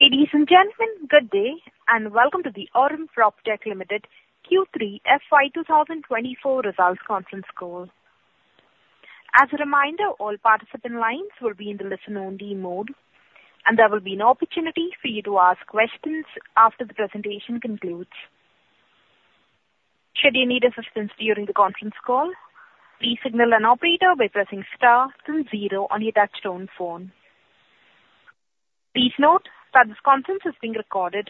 Ladies and gentlemen, good day, and welcome to the Aurum PropTech Limited Q3 FY 2024 results conference call. As a reminder, all participant lines will be in the listen only mode, and there will be an opportunity for you to ask questions after the presentation concludes. Should you need assistance during the conference call, please signal an operator by pressing star 20 on your touchtone phone. Please note that this conference is being recorded.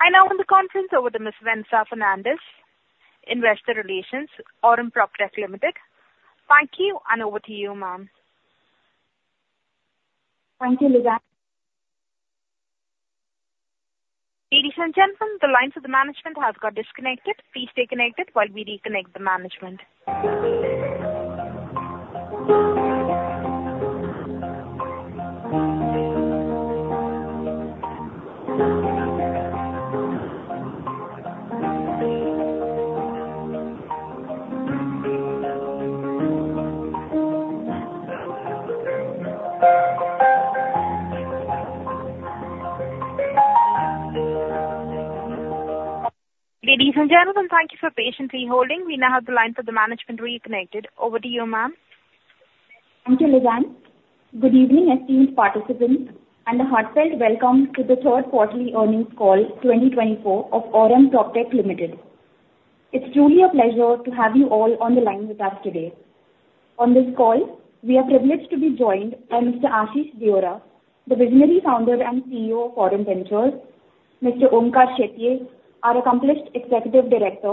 I now hand the conference over to Miss Vanessa Fernandes, Investor Relations, Aurum PropTech Limited. Thank you, and over to you, ma'am. Thank you, Lizanne. Ladies and gentlemen, the lines of the management have got disconnected. Please stay connected while we reconnect the management. Ladies and gentlemen, thank you for patiently holding. We now have the lines of the management reconnected. Over to you, ma'am. Thank you, Lizanne. Good evening, esteemed participants, and a heartfelt welcome to the third quarterly earnings call 2024 of Aurum PropTech Limited. It's truly a pleasure to have you all on the line with us today. On this call, we are privileged to be joined by Mr. Ashish Deora, the visionary Founder and CEO of Aurum Ventures; Mr. Onkar Shetye, our accomplished Executive Director;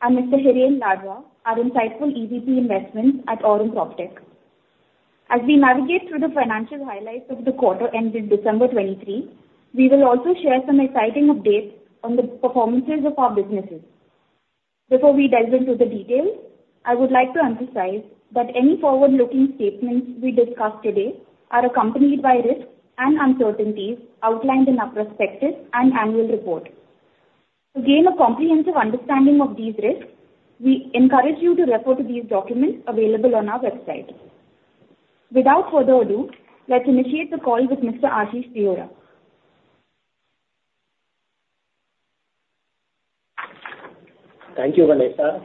and Mr. Hiren Ladva, our insightful EVP Investments at Aurum PropTech. As we navigate through the financial highlights of the quarter ending December 2023, we will also share some exciting updates on the performances of our businesses. Before we delve into the details, I would like to emphasize that any forward-looking statements we discuss today are accompanied by risks and uncertainties outlined in our prospectus and annual report. To gain a comprehensive understanding of these risks, we encourage you to refer to these documents available on our website. Without further ado, let's initiate the call with Mr. Ashish Deora. Thank you, Vanessa.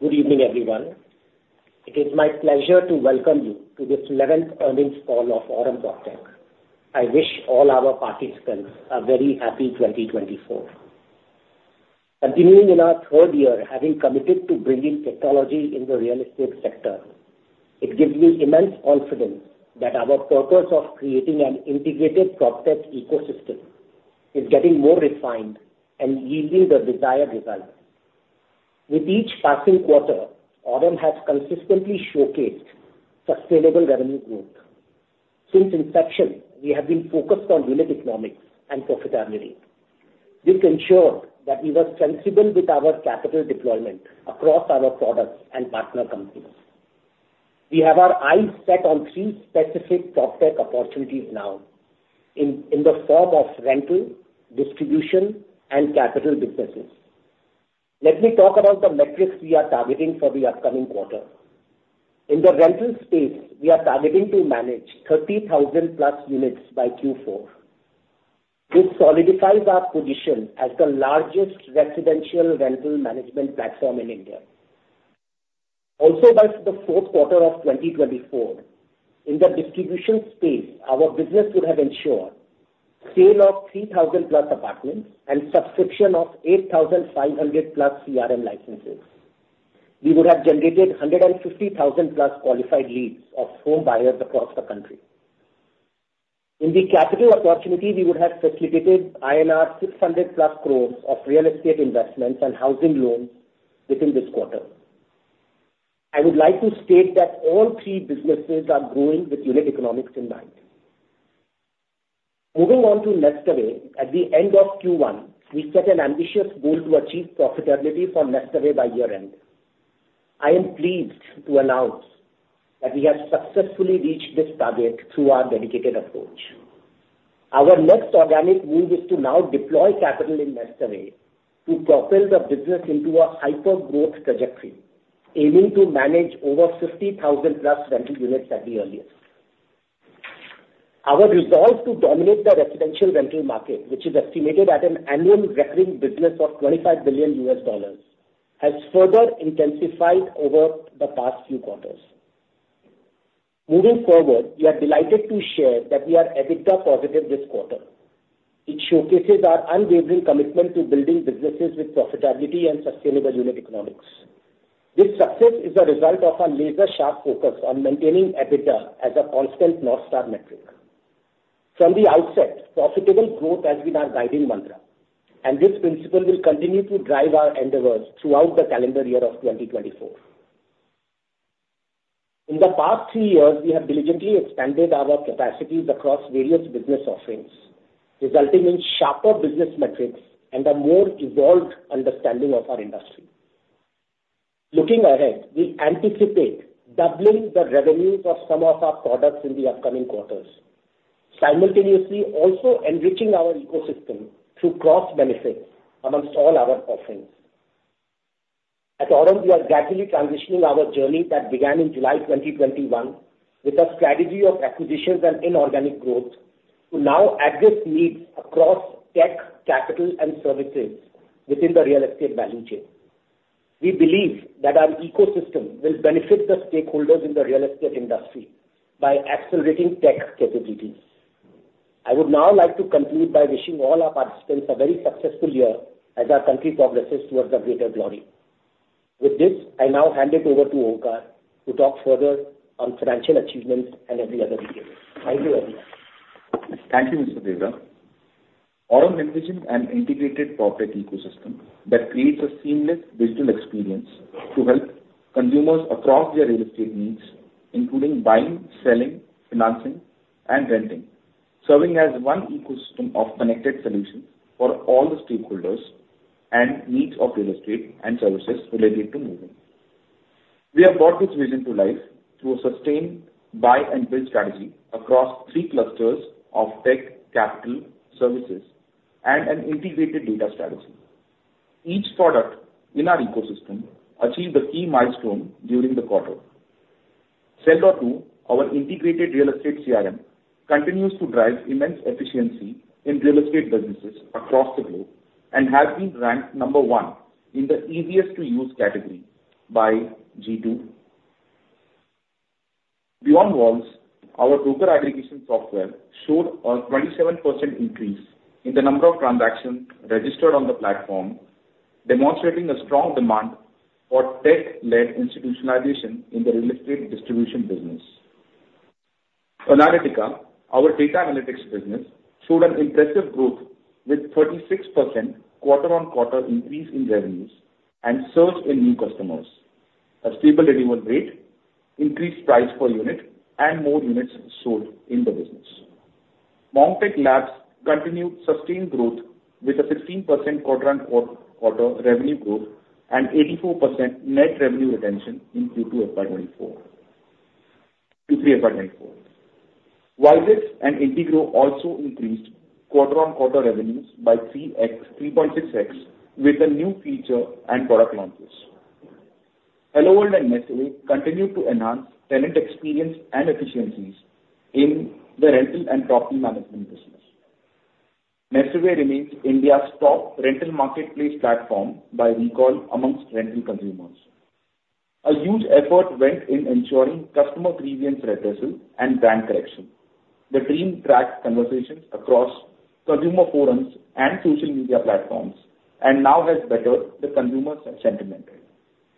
Good evening, everyone. It is my pleasure to welcome you to this 11th earnings call of Aurum PropTech. I wish all our participants a very happy 2024. Continuing in our 3rd year, having committed to bringing technology in the real estate sector, it gives me immense confidence that our purpose of creating an integrated PropTech ecosystem is getting more refined and yielding the desired results. With each passing quarter, Aurum has consistently showcased sustainable revenue growth. Since inception, we have been focused on unit economics and profitability. This ensured that we were sensible with our capital deployment across our products and partner companies. We have our eyes set on three specific PropTech opportunities now in the form of rental, distribution, and capital businesses. Let me talk about the metrics we are targeting for the upcoming quarter. In the rental space, we are targeting to manage 30,000+ units by Q4. This solidifies our position as the largest residential rental management platform in India. Also, by the fourth quarter of 2024, in the distribution space, our business would have ensured sale of 3,000+ apartments and subscription of 8,500+ CRM licenses. We would have generated 150,000+ qualified leads of home buyers across the country. In the capital opportunity, we would have facilitated INR 600+ crores of real estate investments and housing loans within this quarter. I would like to state that all three businesses are growing with Unit Economics in mind. Moving on to NestAway, at the end of Q1, we set an ambitious goal to achieve profitability for NestAway by year-end. I am pleased to announce that we have successfully reached this target through our dedicated approach. Our next organic move is to now deploy capital in NestAway to propel the business into a hyper-growth trajectory, aiming to manage over 50,000+ rental units at the earliest. Our resolve to dominate the residential rental market, which is estimated at an annual recurring business of $25 billion, has further intensified over the past few quarters. Moving forward, we are delighted to share that we are EBITDA positive this quarter. It showcases our unwavering commitment to building businesses with profitability and sustainable unit economics. This success is a result of our laser-sharp focus on maintaining EBITDA as a constant North Star metric. From the outset, profitable growth has been our guiding mantra, and this principle will continue to drive our endeavors throughout the calendar year of 2024. In the past three years, we have diligently expanded our capacities across various business offerings, resulting in sharper business metrics and a more evolved understanding of our industry. Looking ahead, we anticipate doubling the revenues of some of our products in the upcoming quarters, simultaneously also enriching our ecosystem through cross-benefits amongst all our offerings. At Aurum, we are gradually transitioning our journey that began in July 2021, with a strategy of acquisitions and inorganic growth, to now address needs across tech, capital, and services within the real estate value chain. We believe that our ecosystem will benefit the stakeholders in the real estate industry by accelerating tech capabilities. I would now like to conclude by wishing all our participants a very successful year as our country progresses towards the greater glory. With this, I now hand it over to Onkar to talk further on financial achievements and every other detail. Thank you, everyone. Thank you, Mr. Deora. Aurum envisions an integrated PropTech ecosystem that creates a seamless digital experience to help consumers across their real estate needs, including buying, selling, financing, and renting, serving as one ecosystem of connected solutions for all the stakeholders and needs of real estate and services related to moving. We have brought this vision to life through a sustained buy and build strategy across three clusters of tech, capital, services, and an integrated data strategy. Each product in our ecosystem achieved a key milestone during the quarter. Sell.Do, our integrated real estate CRM, continues to drive immense efficiency in real estate businesses across the globe and has been ranked number one in the easiest-to-use category by G2. BeyondWalls, our broker aggregation software, showed a 27% increase in the number of transactions registered on the platform, demonstrating a strong demand for tech-led institutionalization in the real estate distribution business. Aurum Analytica, our data analytics business, showed an impressive growth with 36% quarter-on-quarter increase in revenues and surge in new customers, a stable revenue rate, increased price per unit, and more units sold in the business. Monk Tech Labs continued sustained growth with a 15% quarter-on-quarter revenue growth and 84% net revenue retention in Q2 FY 2024 to Q3 FY 2024. WiseX and Integrow also increased quarter-on-quarter revenues by 3x-3.6x, with the new feature and product launches. HelloWorld and NestAway continue to enhance tenant experience and efficiencies in the rental and property management business. NestAway remains India's top rental marketplace platform by recall amongst rental consumers. A huge effort went in ensuring customer grievance redressal and brand correction. The team tracked conversations across consumer forums and social media platforms, and now has bettered the consumer sentiment.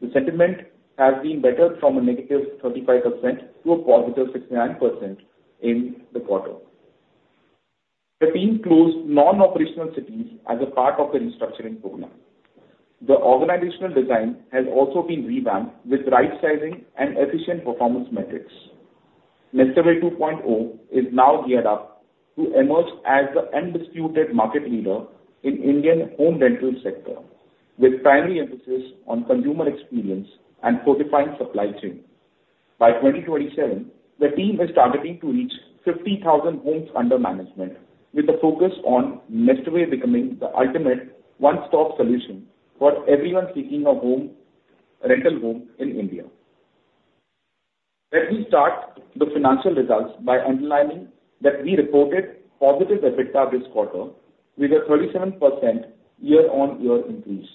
The sentiment has been better from -35% to +69% in the quarter. The team closed non-operational cities as a part of the restructuring program. The organizational design has also been revamped with right sizing and efficient performance metrics. NestAway 2.0 is now geared up to emerge as the undisputed market leader in Indian home rental sector, with primary emphasis on consumer experience and fortifying supply chain. By 2027, the team is targeting to reach 50,000 homes under management, with a focus on NestAway becoming the ultimate one-stop solution for everyone seeking a home, rental home in India. Let me start the financial results by underlining that we reported positive EBITDA this quarter with a 37% year-over-year increase.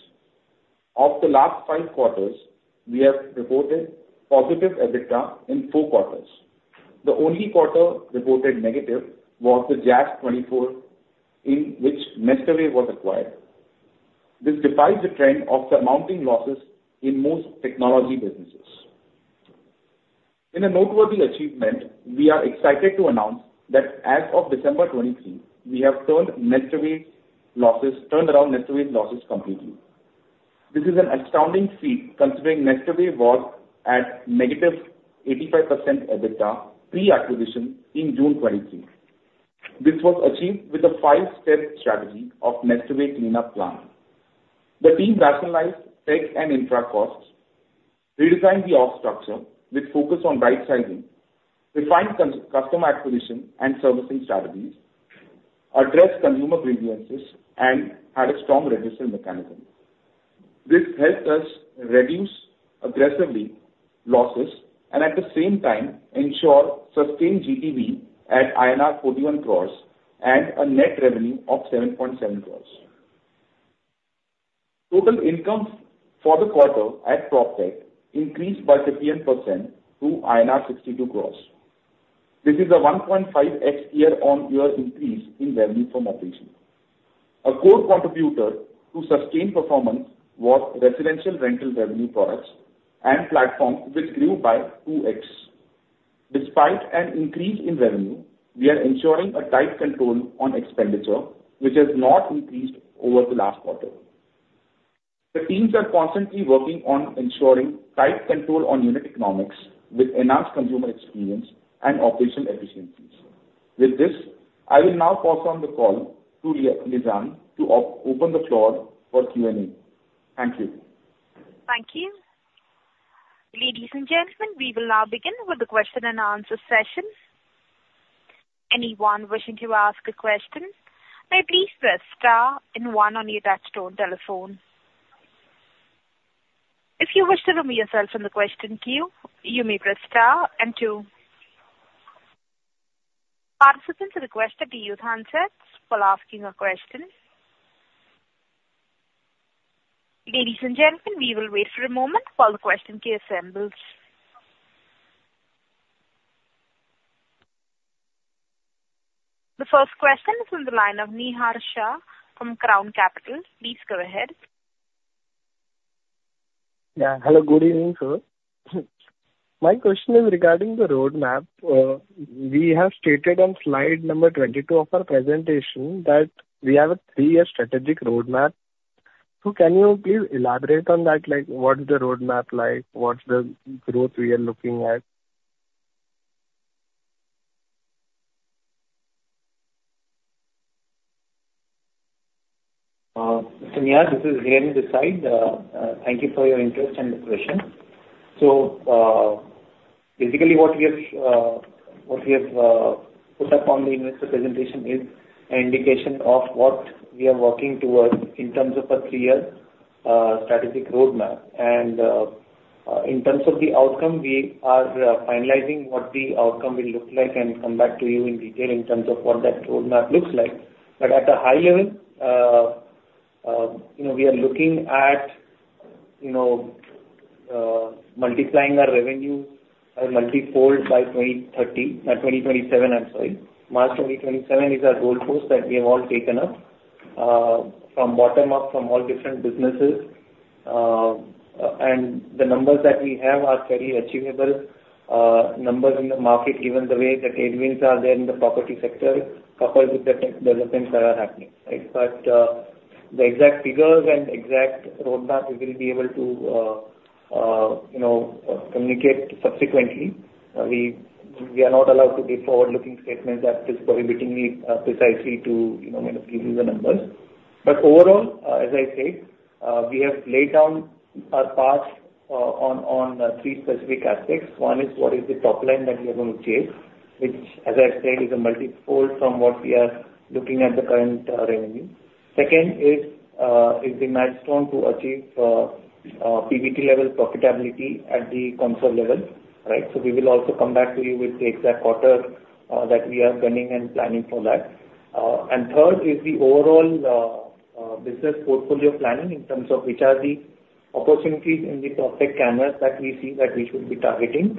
Of the last 5 quarters, we have reported positive EBITDA in 4 quarters. The only quarter reported negative was the Q1 2024, in which NestAway was acquired. This defies the trend of surmounting losses in most technology businesses. In a noteworthy achievement, we are excited to announce that as of December 2023, we have turned NestAway's losses—turned around NestAway's losses completely. This is an astounding feat, considering NestAway was at -85% EBITDA pre-acquisition in June 2023. This was achieved with a 5-step strategy of NestAway clean-up plan. The team rationalized tech and infra costs, redesigned the org structure with focus on right sizing, refined customer acquisition and servicing strategies, addressed consumer grievances, and had a strong redressal mechanism. This helped us reduce aggressively losses, and at the same time, ensure sustained GTV at INR 41 crores and a net revenue of 7.7 crores. Total income for the quarter at PropTech increased by 58% to INR 62 crores. This is a 1.5x year-on-year increase in revenue from operations. A core contributor to sustained performance was residential rental revenue products and platforms, which grew by 2x. Despite an increase in revenue, we are ensuring a tight control on expenditure, which has not increased over the last quarter. The teams are constantly working on ensuring tight control on unit economics with enhanced consumer experience and operational efficiencies. With this, I will now pass on the call to Lizanne, to open the floor for Q&A. Thank you. Thank you. Ladies and gentlemen, we will now begin with the question-and-answer session. Anyone wishing to ask a question, may please press star and one on your touch-tone telephone. If you wish to remove yourself from the question queue, you may press star and two. Participants are requested to use handsets while asking a question. Ladies and gentlemen, we will wait for a moment while the question queue assembles. The first question is on the line of Nihar Shah from Crown Capital. Please go ahead. Yeah. Hello, good evening, sir. My question is regarding the roadmap. We have stated on slide number 22 of our presentation that we have a three-year strategic roadmap. So can you please elaborate on that? Like, what is the roadmap like? What's the growth we are looking at? Nihar, this is Hiren this side. Thank you for your interest and the question. So, basically, what we have put up on the investor presentation is an indication of what we are working towards in terms of a three-year strategic roadmap. In terms of the outcome, we are finalizing what the outcome will look like, and come back to you in detail in terms of what that roadmap looks like. But at a high level, you know, we are looking at, you know, multiplying our revenue by multi-fold by 2030, twenty twenty-seven, I'm sorry. March 2027 is our goalpost that we have all taken up, from bottom-up, from all different businesses. The numbers that we have are very achievable numbers in the market, given the way that headwinds are there in the property sector, coupled with the tech developments that are happening, right? But the exact figures and exact roadmap, we will be able to, you know, communicate subsequently. We are not allowed to give forward-looking statements that is prohibiting me precisely to, you know, kind of, give you the numbers. But overall, as I said, we have laid down a path on three specific aspects. One is, what is the top line that we are going to chase? Which, as I said, is a multi-fold from what we are looking at the current revenue. Second is the milestone to achieve PBT level profitability at the consolidated level, right? So we will also come back to you with the exact quarter that we are gunning and planning for that. And third is the overall business portfolio planning, in terms of which are the opportunities in the PropTech canvas that we see that we should be targeting.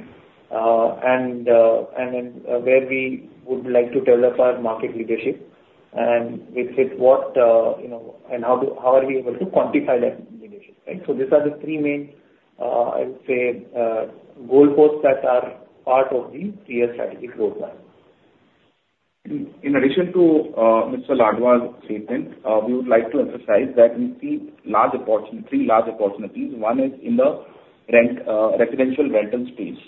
And then where we would like to develop our market leadership, and with what you know and how are we able to quantify that leadership, right? So these are the three main, I would say, goalposts that are part of the three-year strategic roadmap. In addition to Mr. Ladva's statement, we would like to emphasize that we see three large opportunities. One is in the residential rental space,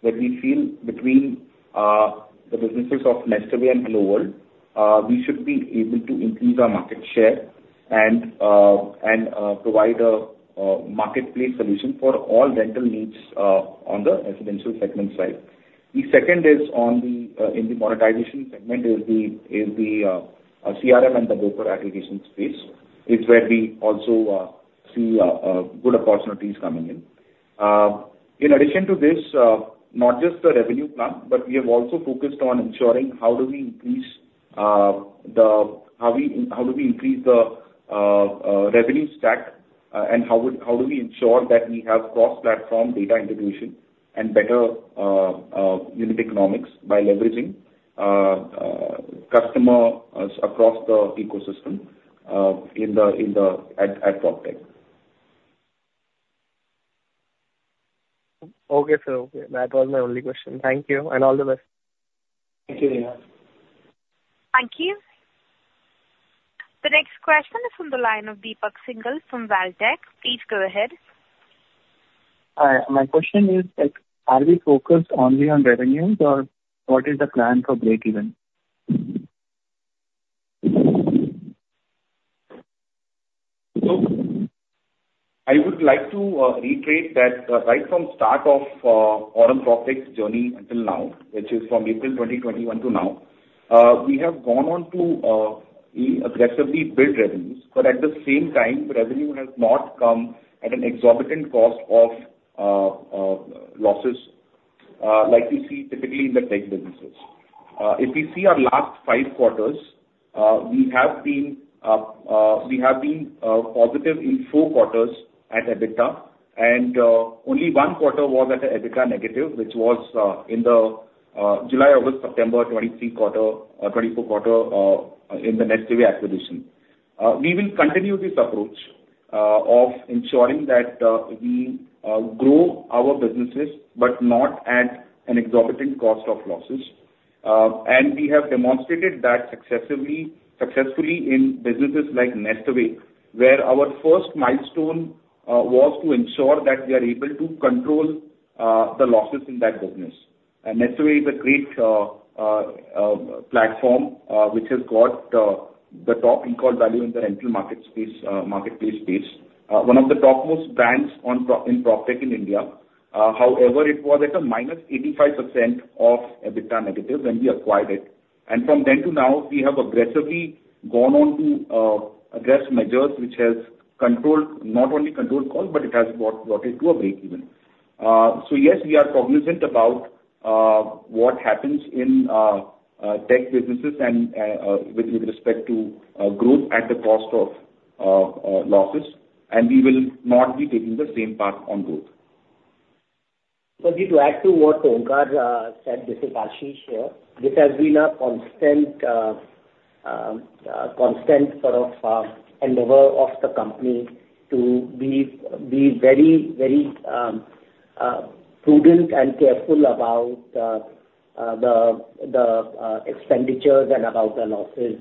where we feel between the businesses of NestAway and HelloWorld, we should be able to increase our market share and provide a marketplace solution for all rental needs on the residential segment side. The second is in the monetization segment, the CRM and the broker aggregation space. It's where we also see good opportunities coming in. In addition to this, not just the revenue plan, but we have also focused on ensuring how do we increase the... How do we increase the revenue stack, and how do we ensure that we have cross-platform data integration and better unit economics by leveraging customer across the ecosystem in the PropTech? Okay, sir. Okay. That was my only question. Thank you, and all the best. Thank you, Nihar. Thank you. The next question is on the line of Deepak Singhal from Valtech. Please go ahead. Hi, my question is, are we focused only on revenues, or what is the plan for breakeven? So I would like to reiterate that right from start of Aurum PropTech's journey until now, which is from April 2021 to now, we have gone on to aggressively build revenues. But at the same time, revenue has not come at an exorbitant cost of losses, like we see typically in the tech businesses. If we see our last 5 quarters, we have been positive in 4 quarters at EBITDA, and only 1 quarter was at an EBITDA negative, which was in the July, August, September 2023 quarter, 2024 quarter, in the NestAway acquisition. We will continue this approach of ensuring that we grow our businesses, but not at an exorbitant cost of losses. And we have demonstrated that successively, successfully in businesses like NestAway, where our first milestone was to ensure that we are able to control the losses in that business. And NestAway is a great platform which has got the top recall value in the rental market space, marketplace space. One of the topmost brands in PropTech in India. However, it was at a minus 85% EBITDA negative when we acquired it. And from then to now, we have aggressively gone on to address measures which has controlled, not only controlled cost, but it has brought it to a breakeven. So yes, we are cognizant about what happens in tech businesses and with respect to growth at the cost of losses, and we will not be taking the same path on growth. So, to add to what Onkar said, this is Ashish here. This has been a constant sort of endeavor of the company to be very, very prudent and careful about the expenditures and about the losses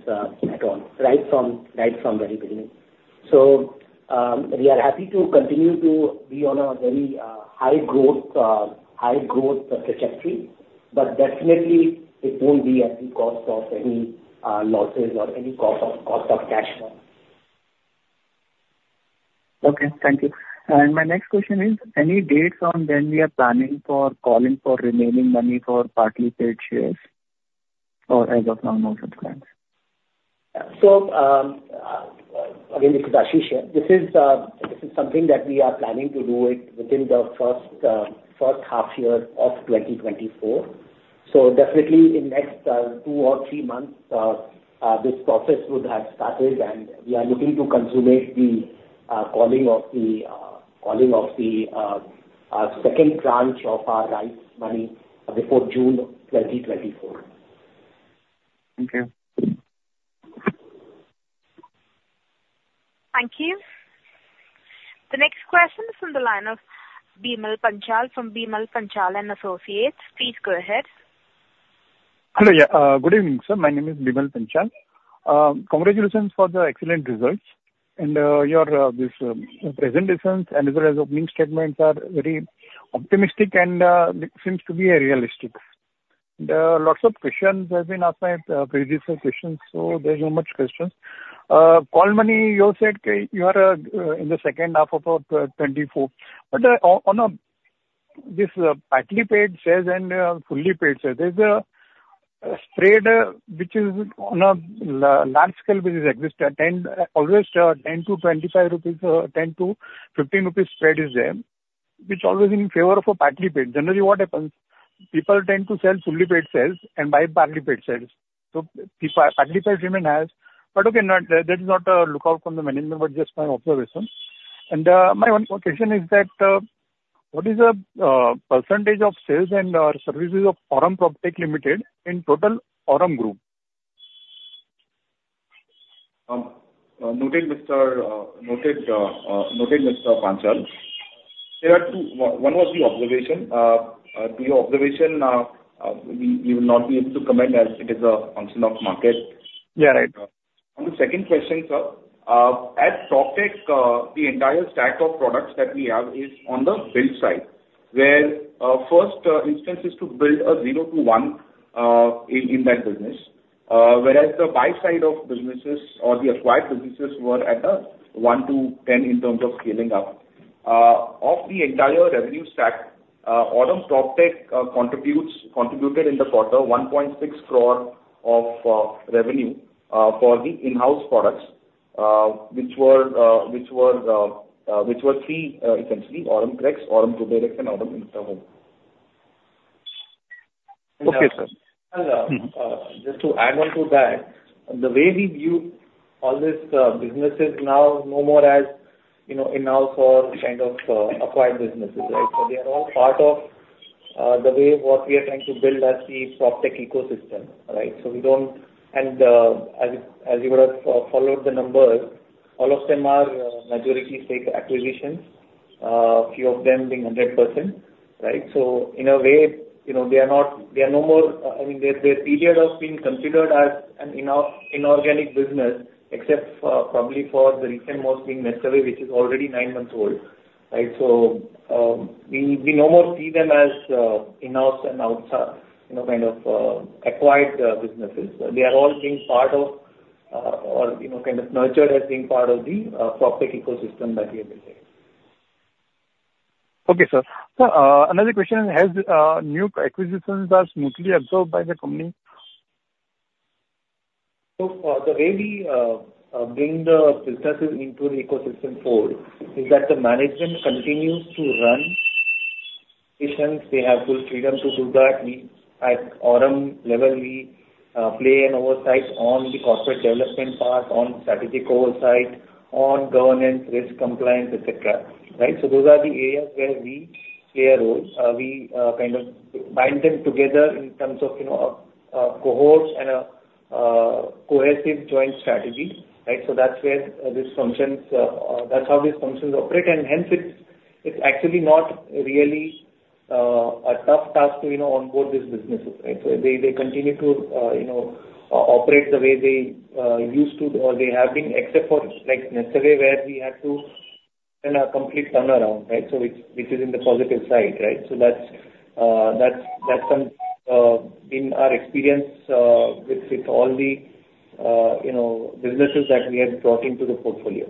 at all right from very beginning. So, we are happy to continue to be on a very high growth trajectory, but definitely it won't be at the cost of any losses or any cost of cash flow. Okay, thank you. My next question is: any dates on when we are planning for calling for remaining money for partly paid shares, or as of now, no such plans? So, again, this is Ashish here. This is something that we are planning to do it within the first half year of 2024. So definitely in next two or three months, this process would have started, and we are looking to consummate the calling of the second tranche of our rights money before June 2024. Thank you. Thank you. The next question is from the line of Bimal Panchal from Bimal Panchal & Associates. Please go ahead. Hello, yeah. Good evening, sir. My name is Bimal Panchal. Congratulations for the excellent results and your this presentations and as well as opening statements are very optimistic and it seems to be realistic. There are lots of questions have been asked by previous questions, so there's no much questions. Call money, you said you are in the second half of 2024, but on this partly paid shares and fully paid shares, there's a spread which is on a large scale basis exist, and always 10-25 rupees, 10-15 rupees spread is there, which is always in favor of a partly paid. Generally, what happens? People tend to sell fully paid shares and buy partly paid shares. So partly paid remain as... But okay, not, that is not a lookout from the management, but just my observation. And, my one more question is that, what is the percentage of sales and/or services of Aurum PropTech Limited in total Aurum Group? Noted, Mr. Panchal. There are two... One was the observation. To your observation, we will not be able to comment as it is a function of market. Yeah, right. On the second question, sir, at PropTech, the entire stack of products that we have is on the build side, where first instance is to build a zero to one in that business. Whereas the buy side of businesses or the acquired businesses were at a one to ten in terms of scaling up. Of the entire revenue stack, Aurum PropTech contributed in the quarter 1.6 crore of revenue for the in-house products, which were three, you can see Aurum WiseX, Aurum KuberX, and Aurum InstaHome. Okay, sir. And, uh- Mm-hmm. Just to add on to that, the way we view all these businesses now, no more as, you know, in-house or kind of acquired businesses, right? So they are all part of the way what we are trying to build as the PropTech ecosystem, right? So we don't... And as you would have followed the numbers, all of them are majority stake acquisitions, few of them being 100%, right? So in a way, you know, they are no more, I mean, their period of being considered as an inorganic business, except probably for the recent most being NestAway, which is already nine months old, right? So we no more see them as in-house and outside, you know, kind of acquired businesses. They are all being part of, or, you know, kind of nurtured as being part of the PropTech ecosystem that we have built. Okay, sir. Sir, another question: Are new acquisitions smoothly absorbed by the company? So, the way we bring the businesses into the ecosystem fold is that the management continues to run decisions. They have full freedom to do that. We, at Aurum level, we play an oversight on the corporate development part, on strategic oversight, on governance, risk compliance, et cetera, right? So those are the areas where we play a role. We kind of bind them together in terms of, you know, cohorts and a cohesive joint strategy, right? So that's where this functions, that's how these functions operate. And hence it's, it's actually not really a tough task to, you know, onboard these businesses, right? So they, they continue to, you know, operate the way they used to or they have been, except for, like, necessary, where we had to run a complete turnaround, right? So which, which is in the positive side, right? So that's, that's some, in our experience, with, with all the-... you know, businesses that we have brought into the portfolio.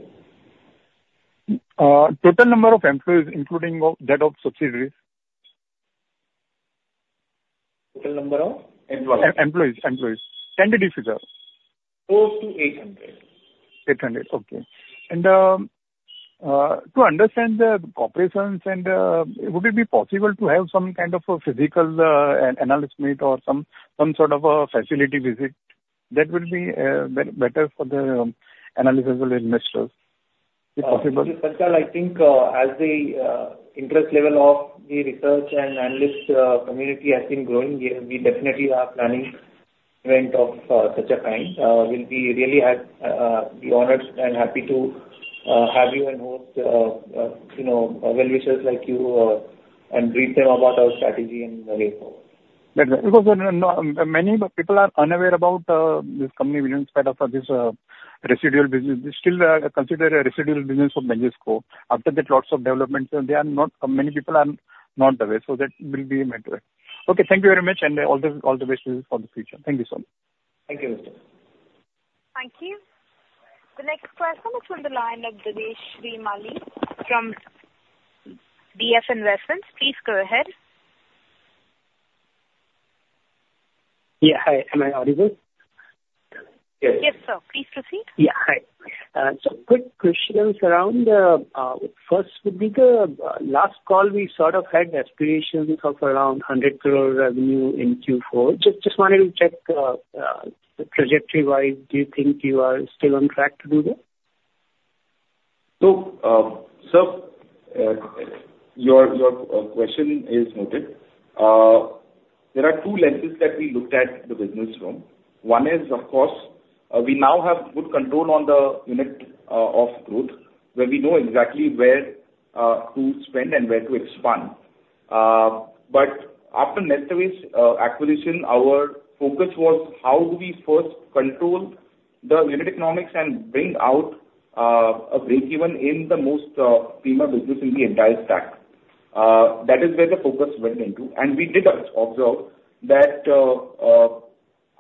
Total number of employees, including of that, of subsidiaries? Total number of employees. Employees, employees. 10-digit figure. Close to 800. 800, okay. And, to understand the corporations and, would it be possible to have some kind of a physical, analysis meet or some, some sort of a facility visit? That will be, better, better for the, analysis with investors. Is it possible? I think, as the interest level of the research and analyst community has been growing, we definitely are planning event of such a kind. We'll be really honored and happy to have you and host you know investors like you and brief them about our strategy and the way forward. Because, no, many people are unaware about this company, we instead of this residual business, they still consider a residual business of Majesco. After that, lots of developments, and they are not, many people are not aware, so that will be a midway. Okay, thank you very much, and all the, all the best wishes for the future. Thank you, sir. Thank you. Thank you. The next question is from the line of Girish Grimaldi from DF Investments. Please go ahead. Yeah. Hi, am I audible? Yes, sir. Please proceed. Yeah, hi. So quick questions around, first would be the last call we sort of had aspirations of around 100 crore revenue in Q4. Just wanted to check the trajectory-wise, do you think you are still on track to do that? Your question is noted. There are two lenses that we looked at the business from. One is, of course, we now have good control on the unit of growth, where we know exactly where to spend and where to expand. But after NestAway's acquisition, our focus was how do we first control the unit economics and bring out a breakeven in the most premium business in the entire stack? That is where the focus went into. We did observe that,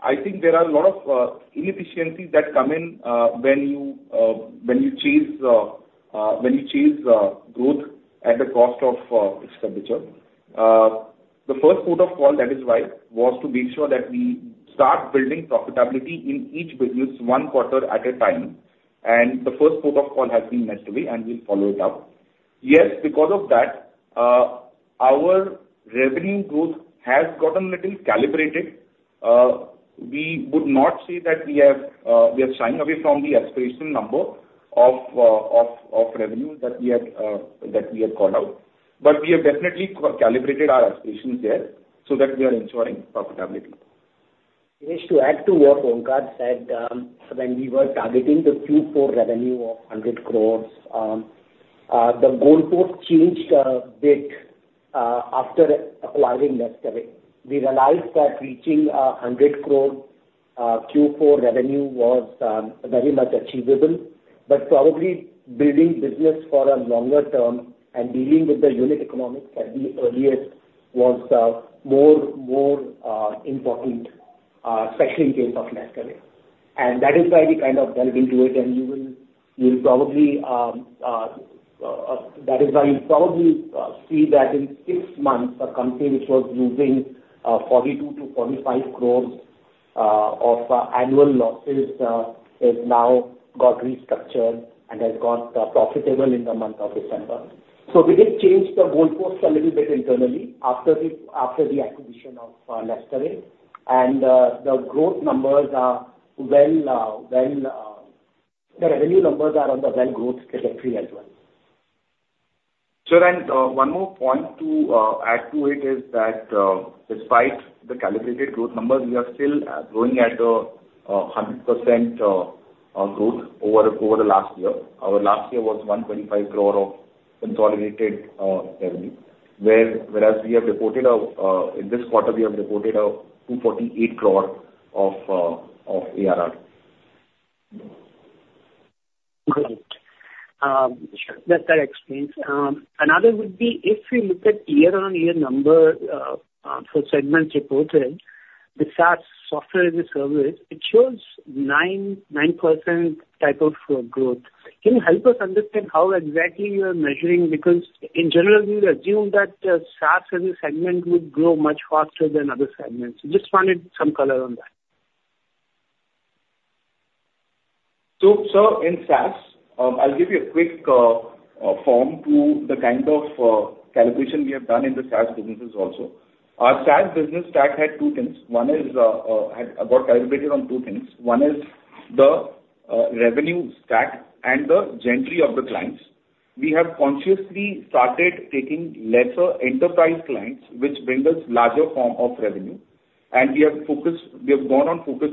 I think there are a lot of inefficiencies that come in when you chase growth at the cost of expenditure. The first port of call, that is why, was to make sure that we start building profitability in each business, one quarter at a time. And the first port of call has been NestAway, and we'll follow it up. Yes, because of that, our revenue growth has gotten a little calibrated. We would not say that we have, we are shying away from the aspirational number of, of, of revenue that we have, that we have called out. But we have definitely calibrated our aspirations there so that we are ensuring profitability. Girish, to add to what Onkar said, when we were targeting the Q4 revenue of 100 crore, the goal post changed, a bit, after acquiring NestAway. We realized that reaching a 100 crore Q4 revenue was, very much achievable, but probably building business for a longer term and dealing with the unit economics at the earliest was, more, more, important, especially in case of NestAway. And that is why we kind of delved into it, and you will, you'll probably, that is why you'll probably, see that in six months, a company which was losing, 42 crore-45 crore of annual losses, has now got restructured and has got, profitable in the month of December. So we did change the goal post a little bit internally after the acquisition of NestAway. And the growth numbers are well. The revenue numbers are on the growth trajectory as well. Sure, and one more point to add to it is that, despite the calibrated growth numbers, we are still growing at 100% growth over the last year. Our last year was 125 crore of consolidated revenue, whereas in this quarter we have reported 248 crore of ARR. Great. Sure, that explains. Another would be if we look at year-on-year number for segment reported, the SaaS software as a service, it shows 9% type of growth. Can you help us understand how exactly you are measuring? Because in general, we would assume that, SaaS as a segment would grow much faster than other segments. Just wanted some color on that. So, sir, in SaaS, I'll give you a quick form to the kind of calibration we have done in the SaaS businesses also. Our SaaS business stack had two things. One is had got calibrated on two things. One is the revenue stack and the entry of the clients. We have consciously started taking lesser enterprise clients, which bring us larger form of revenue, and we have focused- we have gone on focus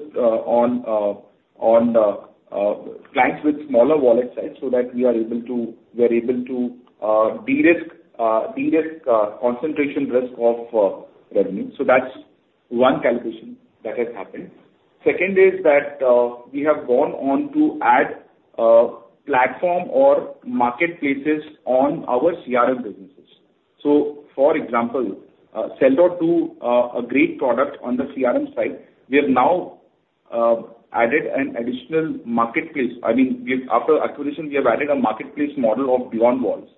on clients with smaller wallet size, so that we are able to de-risk concentration risk of revenue. So that's one calibration that has happened. Second is that we have gone on to add platform or marketplaces on our CRM business. So, for example, Sell.Do, a great product on the CRM side, we have now added an additional marketplace. I mean, we've, after acquisition, we have added a marketplace model of BeyondWalls.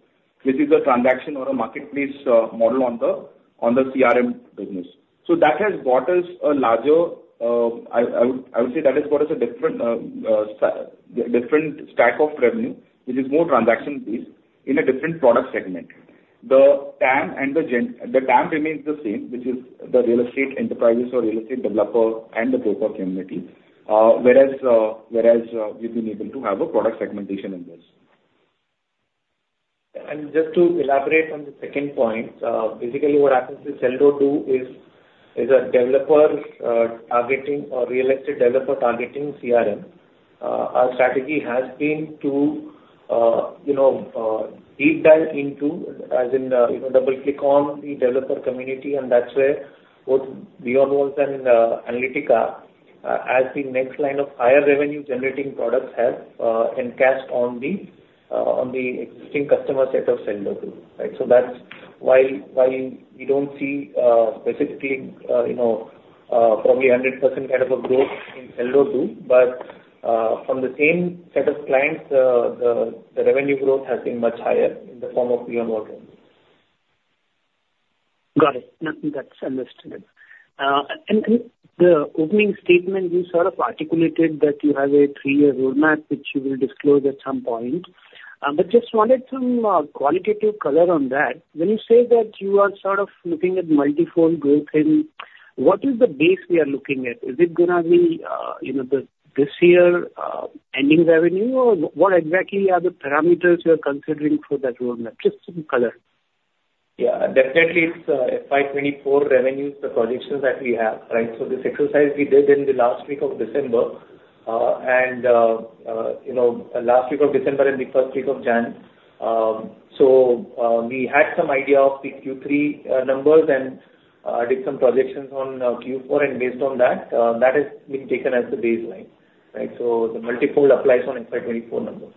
This is a transaction or a marketplace model on the CRM business. So that has got us a larger, I would say that has got us a different stack of revenue, which is more transaction based in a different product segment. The TAM and the TAM remains the same, which is the real estate enterprises or real estate developer and the broker community, whereas we've been able to have a product segmentation in this. And just to elaborate on the second point, basically what happens with Sell.Do is a developer targeting or real estate developer targeting CRM. Our strategy has been to, you know, deep dive into, as in, you know, double click on the developer community, and that's where both BeyondWalls and Aurum Analytica, as the next line of higher revenue generating products help and cash in on the existing customer set of Sell.Do, right? So that's why we don't see, specifically, you know, probably 100% kind of a growth in Sell.Do. But from the same set of clients, the revenue growth has been much higher in the form of BeyondWalls. Got it. No, that's understood. In the opening statement, you sort of articulated that you have a three-year roadmap, which you will disclose at some point. But just wanted some qualitative color on that. When you say that you are sort of looking at multifold growth, what is the base we are looking at? Is it gonna be, you know, this year ending revenue? Or what exactly are the parameters you are considering for that roadmap? Just some color. Yeah. Definitely, it's FY 2024 revenues, the projections that we have, right? So this exercise we did in the last week of December, and, you know, last week of December and the first week of January. So, we had some idea of the Q3 numbers and did some projections on Q4, and based on that, that has been taken as the baseline, right? So the multiple applies on FY 2024 numbers.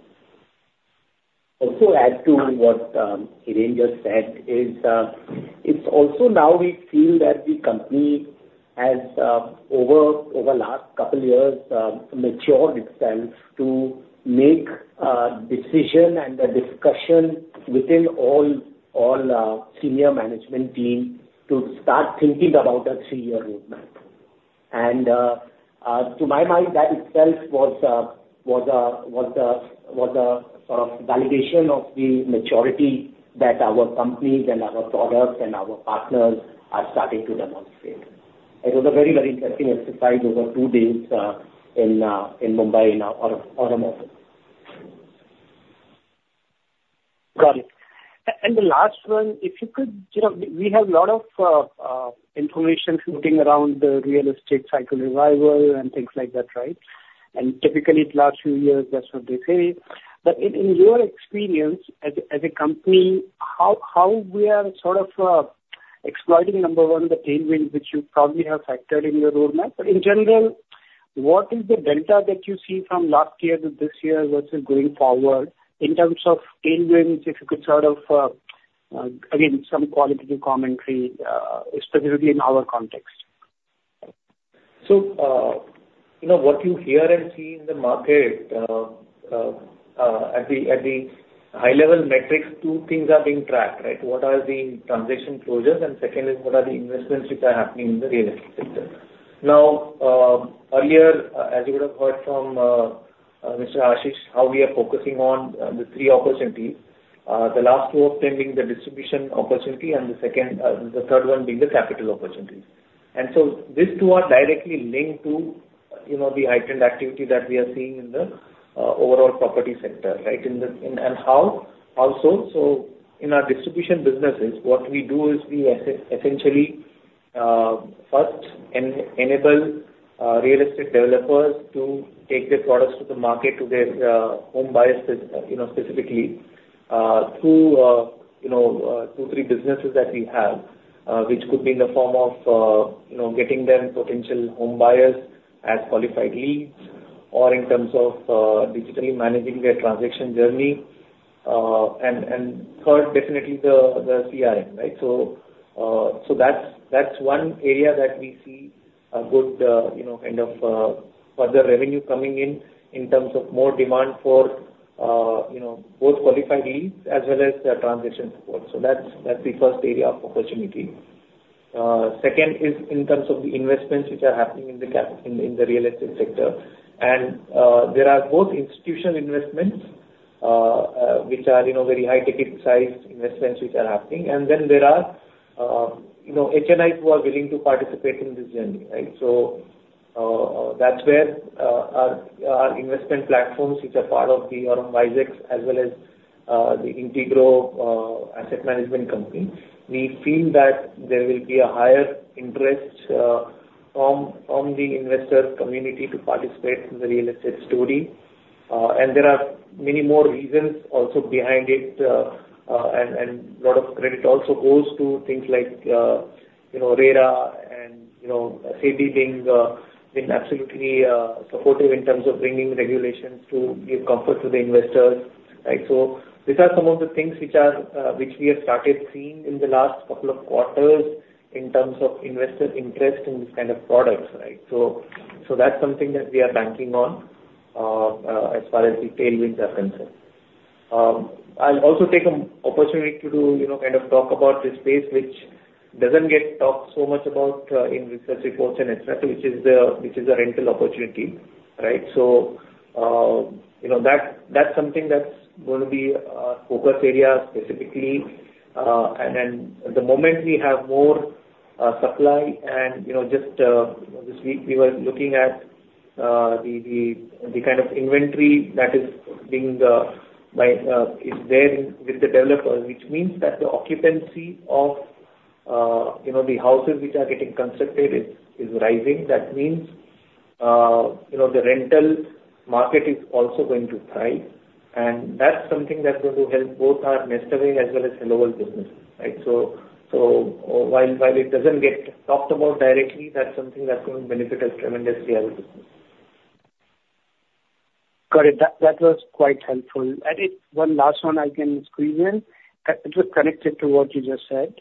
Also, add to what Hiren just said, it's also now we feel that the company has over last couple years matured itself to make decision and the discussion within all senior management team to start thinking about a three-year roadmap. And to my mind, that itself was a sort of validation of the maturity that our company and our products and our partners are starting to demonstrate. It was a very, very interesting exercise over two days in Mumbai, in Aurum office. Got it. And the last one, if you could, you know, we have a lot of information floating around the real estate cycle revival and things like that, right? And typically, it lasts two years, that's what they say. But in your experience as a company, how we are sort of exploiting, number one, the tailwind, which you probably have factored in your roadmap. But in general, what is the delta that you see from last year to this year versus going forward in terms of tailwinds, if you could sort of again, some qualitative commentary, specifically in our context? So, you know, what you hear and see in the market, at the high level metrics, two things are being tracked, right? What are the transaction closures? And second is, what are the investments which are happening in the real estate sector? Now, earlier, as you would have heard from, Mr. Ashish, how we are focusing on, the three opportunities. The last two being the distribution opportunity and the second, the third one being the capital opportunities. And so these two are directly linked to, you know, the heightened activity that we are seeing in the, overall property sector, right? In the... In our distribution businesses, what we do is we essentially first enable real estate developers to take their products to the market, to their home buyers, specifically, you know, through, you know, two, three businesses that we have, which could be in the form of, you know, getting them potential home buyers as qualified leads, or in terms of digitally managing their transaction journey, and third, definitely the CRM, right? So that's one area that we see a good, you know, kind of further revenue coming in, in terms of more demand for, you know, both qualified leads as well as the transaction support. So that's the first area of opportunity. Second is in terms of the investments which are happening in the real estate sector. There are both institutional investments, which are, you know, very high ticket sized investments which are happening. Then there are, you know, HNI who are willing to participate in this journey, right? That's where our investment platforms, which are part of the Aurum WiseX, as well as the Integrow asset management company. We feel that there will be a higher interest from the investor community to participate in the real estate story.... And there are many more reasons also behind it, and a lot of credit also goes to things like, you know, RERA and, you know, SEBI being been absolutely supportive in terms of bringing regulations to give comfort to the investors, right? So these are some of the things which are, which we have started seeing in the last couple of quarters in terms of investor interest in these kind of products, right? So, so that's something that we are banking on, as far as the tailwinds are concerned. I'll also take an opportunity to do, you know, kind of talk about the space which doesn't get talked so much about, in research reports and et cetera, which is the, which is the rental opportunity, right? So, you know, that, that's something that's going to be, focus area specifically. And then the moment we have more supply and, you know, just, this week we were looking at, the kind of inventory that is being by is there with the developers. Which means that the occupancy of, you know, the houses which are getting constructed is rising. That means, you know, the rental market is also going to thrive, and that's something that's going to help both our NestAway as well as HelloWorld business, right? So while it doesn't get talked about directly, that's something that's going to benefit us tremendously as a business. Got it. That, that was quite helpful. And if one last one I can squeeze in, which was connected to what you just said.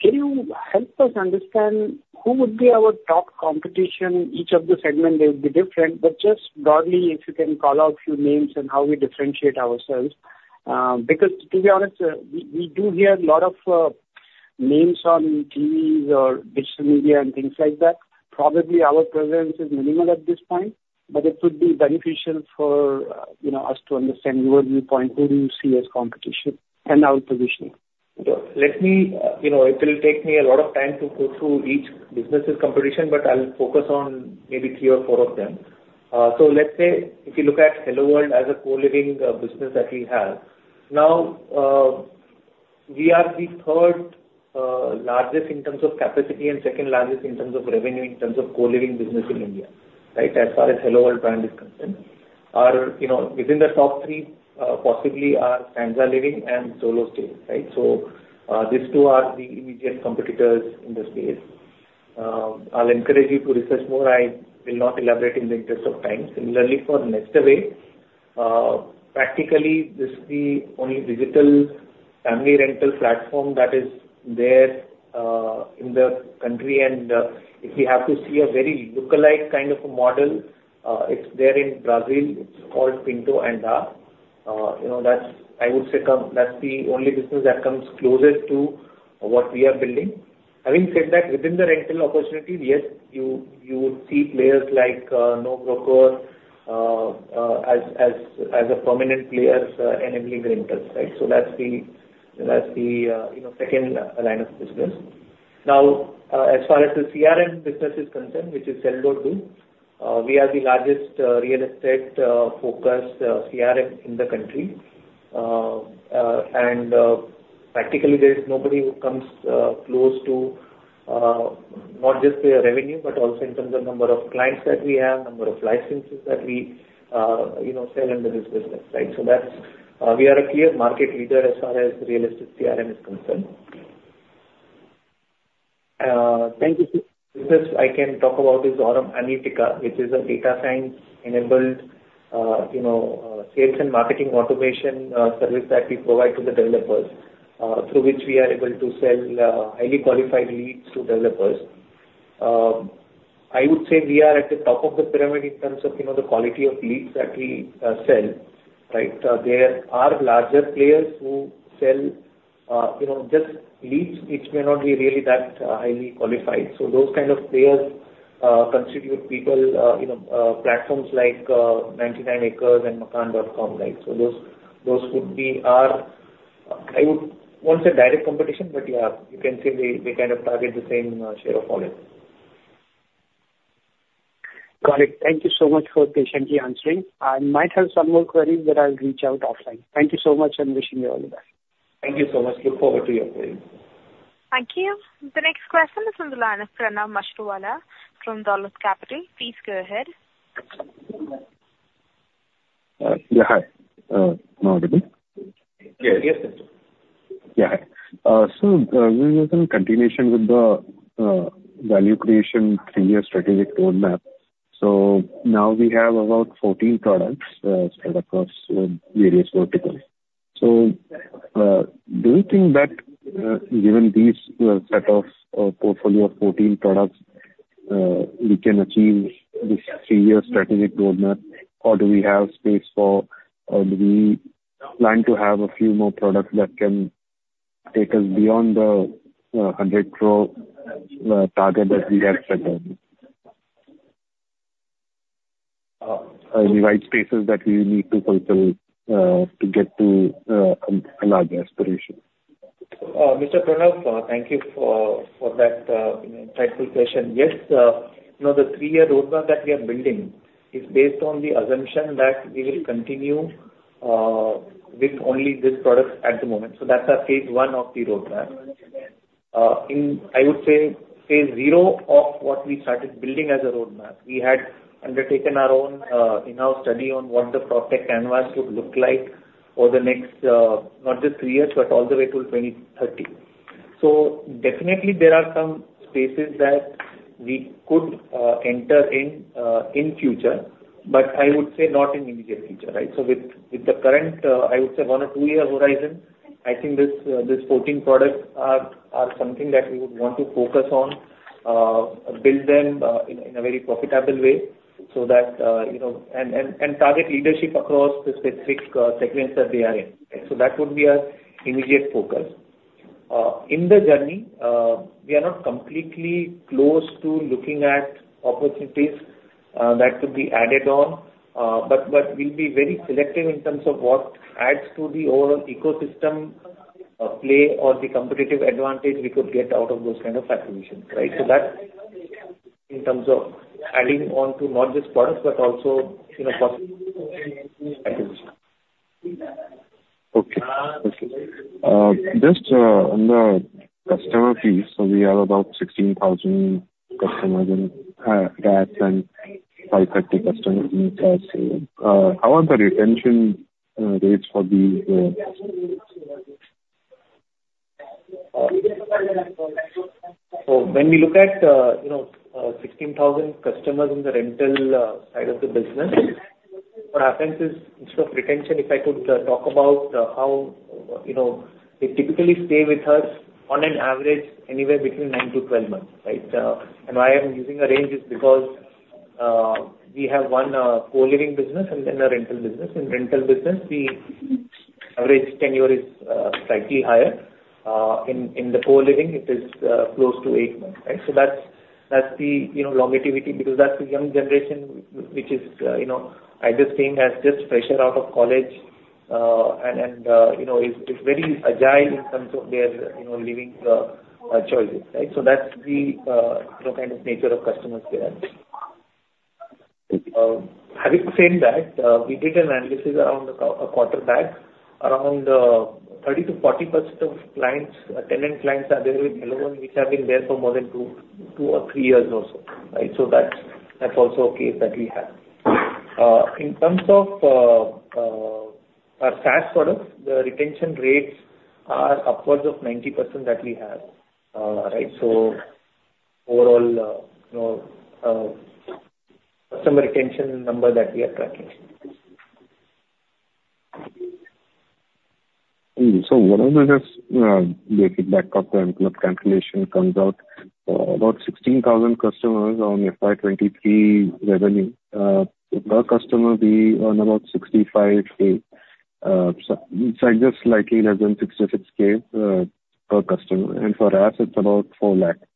Can you help us understand who would be our top competition? Each of the segment they would be different, but just broadly, if you can call out a few names and how we differentiate ourselves. Because to be honest, we, we do hear a lot of names on TVs or digital media and things like that. Probably our presence is minimal at this point, but it would be beneficial for, you know, us to understand your viewpoint, who do you see as competition and our positioning? Yeah. Let me, you know, it will take me a lot of time to go through each business' competition, but I'll focus on maybe three or four of them. So let's say, if you look at HelloWorld as a co-living business that we have, now we are the third largest in terms of capacity and second largest in terms of revenue, in terms of co-living business in India, right? As far as HelloWorld brand is concerned. Our, you know, within the top three, possibly are Stanza Living and Zolo Stays, right? So these two are the immediate competitors in the space. I'll encourage you to research more. I will not elaborate in the interest of time. Similarly, for NestAway, practically this is the only digital family rental platform that is there in the country. If you have to see a very lookalike kind of a model, it's there in Brazil. It's called Quinto Andar. You know, I would say, that's the only business that comes closest to what we are building. Having said that, within the rental opportunity, yes, you would see players like NoBroker as prominent players enabling the rentals, right? So that's the you know, second line of business. Now, as far as the CRM business is concerned, which is Sell.Do, we are the largest real estate-focused CRM in the country. Practically there is nobody who comes close to, not just the revenue, but also in terms of number of clients that we have, number of licenses that we, you know, sell under this business, right? So that's... we are a clear market leader as far as real estate CRM is concerned. Second business I can talk about is Aurum Analytica, which is a data science-enabled, you know, sales and marketing automation service that we provide to the developers, through which we are able to sell highly qualified leads to developers. I would say we are at the top of the pyramid in terms of, you know, the quality of leads that we sell, right? There are larger players who sell, you know, just leads, which may not be really that highly qualified. So those kind of players constitute people, you know, platforms like 99acres and Makaan.com, right? So those, those would be our, I would won't say direct competition, but yeah, you can say they, they kind of target the same share of volume. Got it. Thank you so much for patiently answering. I might have some more queries, but I'll reach out offline. Thank you so much, and wishing you all the best. Thank you so much. Look forward to your query. Thank you. The next question is from the line of Pranav Mashruwala from Dolat Capital. Please go ahead. Yeah, hi. Am I audible? Yeah. Yes, sir. Yeah, hi. So, this is in continuation with the value creation three-year strategic roadmap. So now we have about 14 products spread across various verticals. So, do you think that given these set of portfolio of 14 products we can achieve this three-year strategic roadmap? Or do we have space for, or do we plan to have a few more products that can take us beyond the 100 crore target that we have set out? Any white spaces that we need to fulfill to get to a larger aspiration? Mr. Pranav, thank you for that, you know, insightful question. Yes, you know, the three-year roadmap that we are building is based on the assumption that we will continue with only these products at the moment. So that's our phase one of the roadmap. I would say, phase zero of what we started building as a roadmap. We had undertaken our own in-house study on what the prospect canvas would look like over the next, not just three years, but all the way till 2030. So definitely there are some spaces that we could enter in future, but I would say not in immediate future, right? So with the current, I would say one- or two-year horizon, I think these 14 products are something that we would want to focus on, build them in a very profitable way so that, you know, and target leadership across the specific segments that they are in. So that would be our immediate focus. In the journey, we are not completely closed to looking at opportunities that could be added on, but we'll be very selective in terms of what adds to the overall ecosystem play or the competitive advantage we could get out of those kind of acquisitions, right? So that's in terms of adding on to not just products, but also, you know. Just on the customer piece, so we have about 16,000 customers in RaaS and 530 customers in inaudible. How are the retention rates for these? So when we look at, you know, 16,000 customers in the rental side of the business, what happens is, instead of retention, if I could talk about how, you know, they typically stay with us on an average anywhere between nine to 12 months, right? And why I'm using a range is because we have one co-living business and then a rental business. In rental business, the average tenure is slightly higher. In the co-living it is close to eight months, right? So that's the longevity, because that's the young generation, which is, you know, I just think as just fresh out of college, and, you know, is very agile in terms of their, you know, living choices, right? So that's the, you know, kind of nature of customers we have. Having said that, we did an analysis around a quarter back, around 30%-40% of clients, tenant clients are there with HelloWorld, which have been there for more than two or three years or so, right? So that's also a case that we have. In terms of our SaaS products, the retention rates are upwards of 90% that we have. Right? So overall, you know, customer retention number that we are tracking. And so one of the just, basic back of the envelope calculation comes out, about 16,000 customers on FY 2023 revenue. Per customer we earn about 65,000. So just slightly less than 66,000, per customer, and for RaaS it's about 400,000.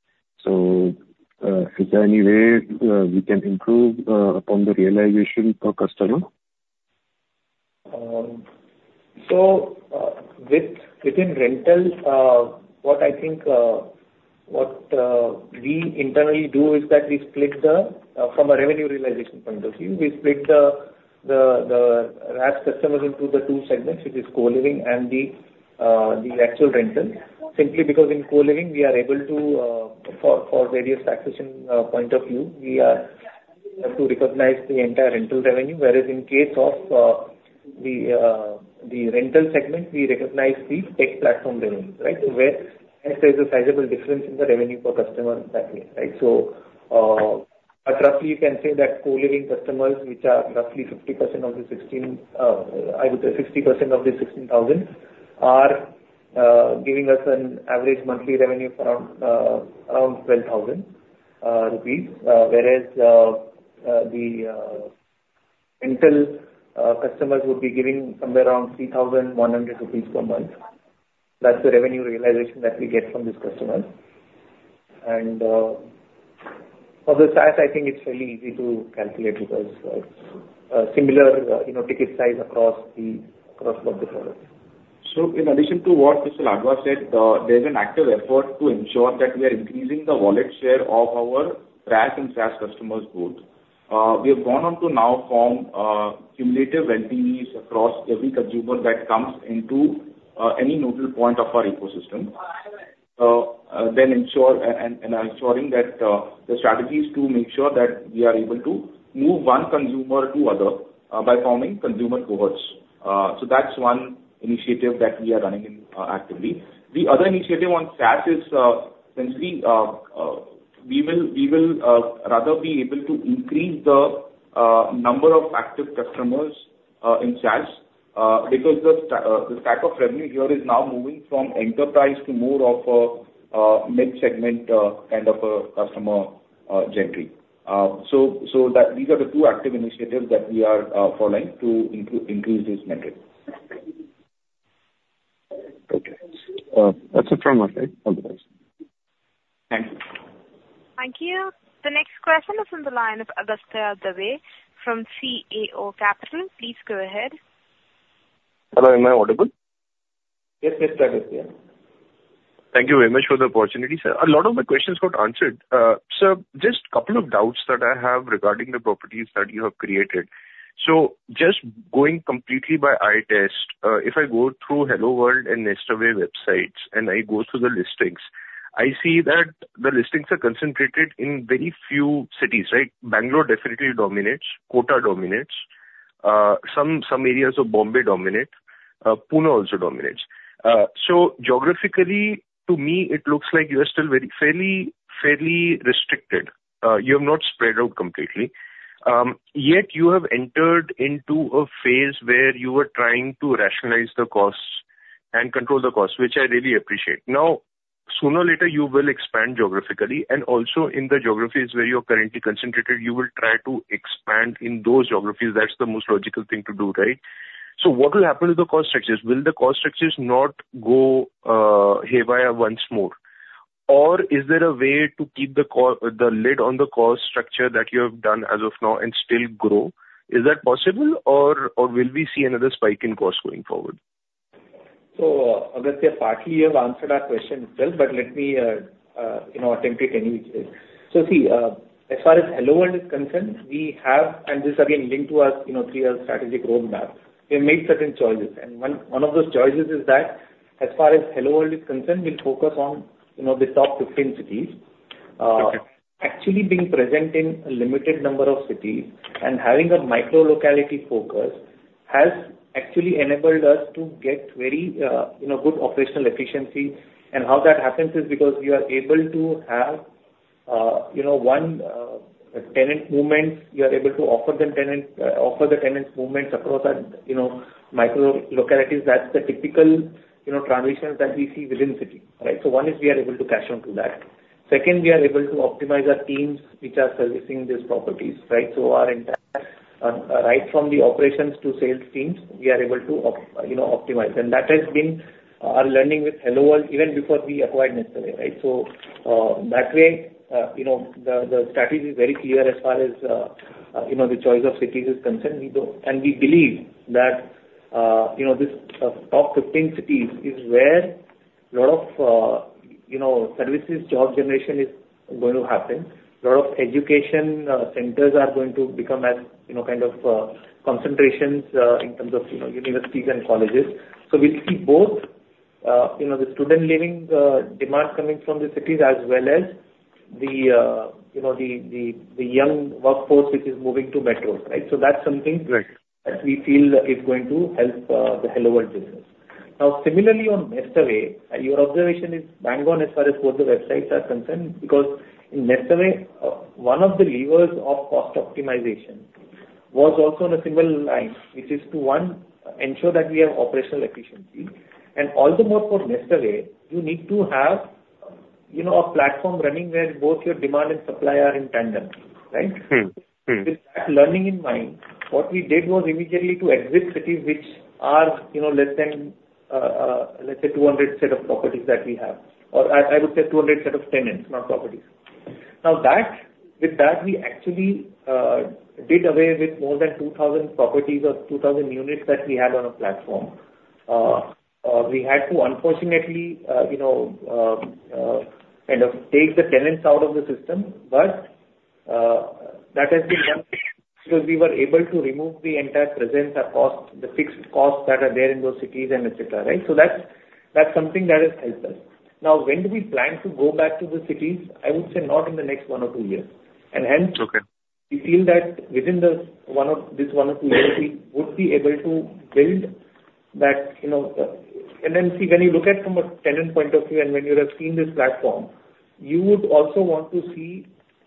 So, is there any way we can improve upon the realization per customer? Within rental, what I think, what we internally do is that we split the, from a revenue realization point of view, we split the RaaS customers into the two segments, which is co-living and the actual rental. Simply because in co-living, we are able to, for various taxation point of view, we are able to recognize the entire rental revenue, whereas in case of the rental segment, we recognize the tech platform revenue, right? Where there is a sizable difference in the revenue per customer in that way, right? But roughly you can say that co-living customers, which are roughly 50% of the 16,000, I would say 60% of the 16,000, are giving us an average monthly revenue around 12,000 rupees. Whereas, the rental customers would be giving somewhere around 3,100 rupees per month. That's the revenue realization that we get from these customers. And, for the SaaS, I think it's fairly easy to calculate because, similar, you know, ticket size across both the products. So in addition to what Mr. Ladva said, there's an active effort to ensure that we are increasing the wallet share of our RaaS and SaaS customers both. We have gone on to now form cumulative LPEs across every consumer that comes into any neutral point of our ecosystem. Then ensure and ensuring that the strategy is to make sure that we are able to move one consumer to other by forming consumer cohorts. So that's one initiative that we are running in actively. The other initiative on SaaS is, since we will rather be able to increase the number of active customers in SaaS, because the stack of revenue here is now moving from enterprise to more of a mid-segment kind of a customer category. So that these are the two active initiatives that we are following to increase this metric. Okay. That's it from us, right? All the best. Thank you. Thank you. The next question is on the line of Agastya Dave from CAO Capital. Please go ahead. Hello, am I audible? Yes, yes, that is clear. Thank you very much for the opportunity, sir. A lot of the questions got answered. Sir, just couple of doubts that I have regarding the properties that you have created. So just going completely by eye test, if I go through HelloWorld and NestAway websites and I go through the listings, I see that the listings are concentrated in very few cities, right? Bangalore definitely dominates, Kota dominates, some areas of Bombay dominate, Pune also dominates. So geographically, to me, it looks like you are still very fairly restricted. You have not spread out completely, yet you have entered into a phase where you are trying to rationalize the costs and control the costs, which I really appreciate. Now, sooner or later, you will expand geographically, and also in the geographies where you're currently concentrated, you will try to expand in those geographies. That's the most logical thing to do, right? So what will happen to the cost structures? Will the cost structures not go haywire once more? Or is there a way to keep the lid on the cost structure that you have done as of now and still grow? Is that possible, or will we see another spike in costs going forward? So, Agastya, partly you have answered that question itself, but let me, you know, attempt it anyway. So see, as far as HelloWorld is concerned, we have, and this again linked to our, you know, three-year strategic roadmap. We have made certain choices, and one of those choices is that as far as HelloWorld is concerned, we'll focus on, you know, the top 15 cities. Okay. Actually being present in a limited number of cities and having a micro locality focus has actually enabled us to get very, you know, good operational efficiency. And how that happens is because we are able to have, you know, one tenant movements. We are able to offer them tenant, offer the tenants movements across our, you know, micro localities. That's the typical, you know, transitions that we see within city, right? So one is we are able to cash on to that. Second, we are able to optimize our teams which are servicing these properties, right? So our entire, right from the operations to sales teams, we are able to, you know, optimize. And that has been our learning with HelloWorld, even before we acquired NestAway, right? So, that way, you know, the strategy is very clear as far as, you know, the choice of cities is concerned. We believe that, you know, this top 15 cities is where a lot of, you know, services, job generation is going to happen. A lot of education centers are going to become as, you know, kind of concentrations, in terms of, you know, universities and colleges. So we see both, you know, the student living demand coming from the cities, as well as the, you know, the young workforce which is moving to metros, right? So that's something- Right. That we feel is going to help the HelloWorld business. Now, similarly on NestAway, your observation is bang on as far as both the websites are concerned, because in NestAway, one of the levers of cost optimization was also on a similar line, which is to, one, ensure that we have operational efficiency. And all the more for NestAway, you need to have, you know, a platform running where both your demand and supply are in tandem, right? Mm-hmm. Mm-hmm. With that learning in mind, what we did was immediately to exit cities which are, you know, less than, let's say, 200 set of properties that we have, or I would say 200 set of tenants, not properties. Now that, with that, we actually did away with more than 2,000 properties or 2,000 units that we had on our platform. We had to, unfortunately, you know, kind of take the tenants out of the system, but that has been done because we were able to remove the entire presence, the cost, the fixed costs that are there in those cities and et cetera, right? So that's something that has helped us. Now, when do we plan to go back to the cities? I would say not in the next one or two years. And hence- Okay. We feel that within this one or two years, we would be able to build that, you know. And then see, when you look at from a tenant point of view and when you are seeing this platform, you would also want to see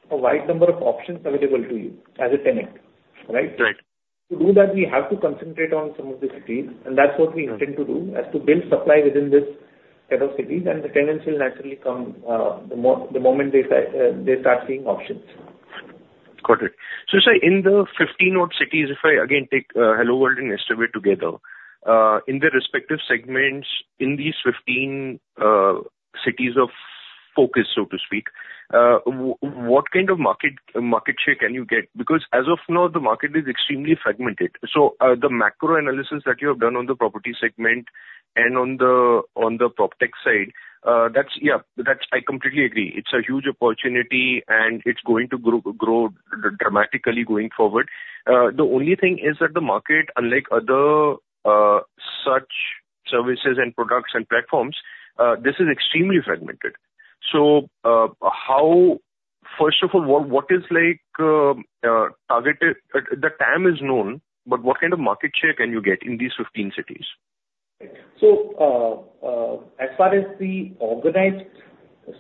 a wide number of options available to you as a tenant, right? Right. To do that, we have to concentrate on some of the cities, and that's what we intend to do, as to build supply within this set of cities, and the tenants will naturally come, the moment they start seeing options. Got it. So, sir, in the 15 odd cities, if I again take HelloWorld and NestAway together, in their respective segments, in these 15 cities of focus, so to speak, what kind of market share can you get? Because as of now, the market is extremely fragmented. So, the macro analysis that you have done on the property segment and on the PropTech side, that's, yeah, that's I completely agree. It's a huge opportunity and it's going to grow dramatically going forward. The only thing is that the market, unlike other such services and products and platforms, this is extremely fragmented. So, how... First of all, what is like targeted? The TAM is known, but what kind of market share can you get in these 15 cities? Right. So, as far as the organized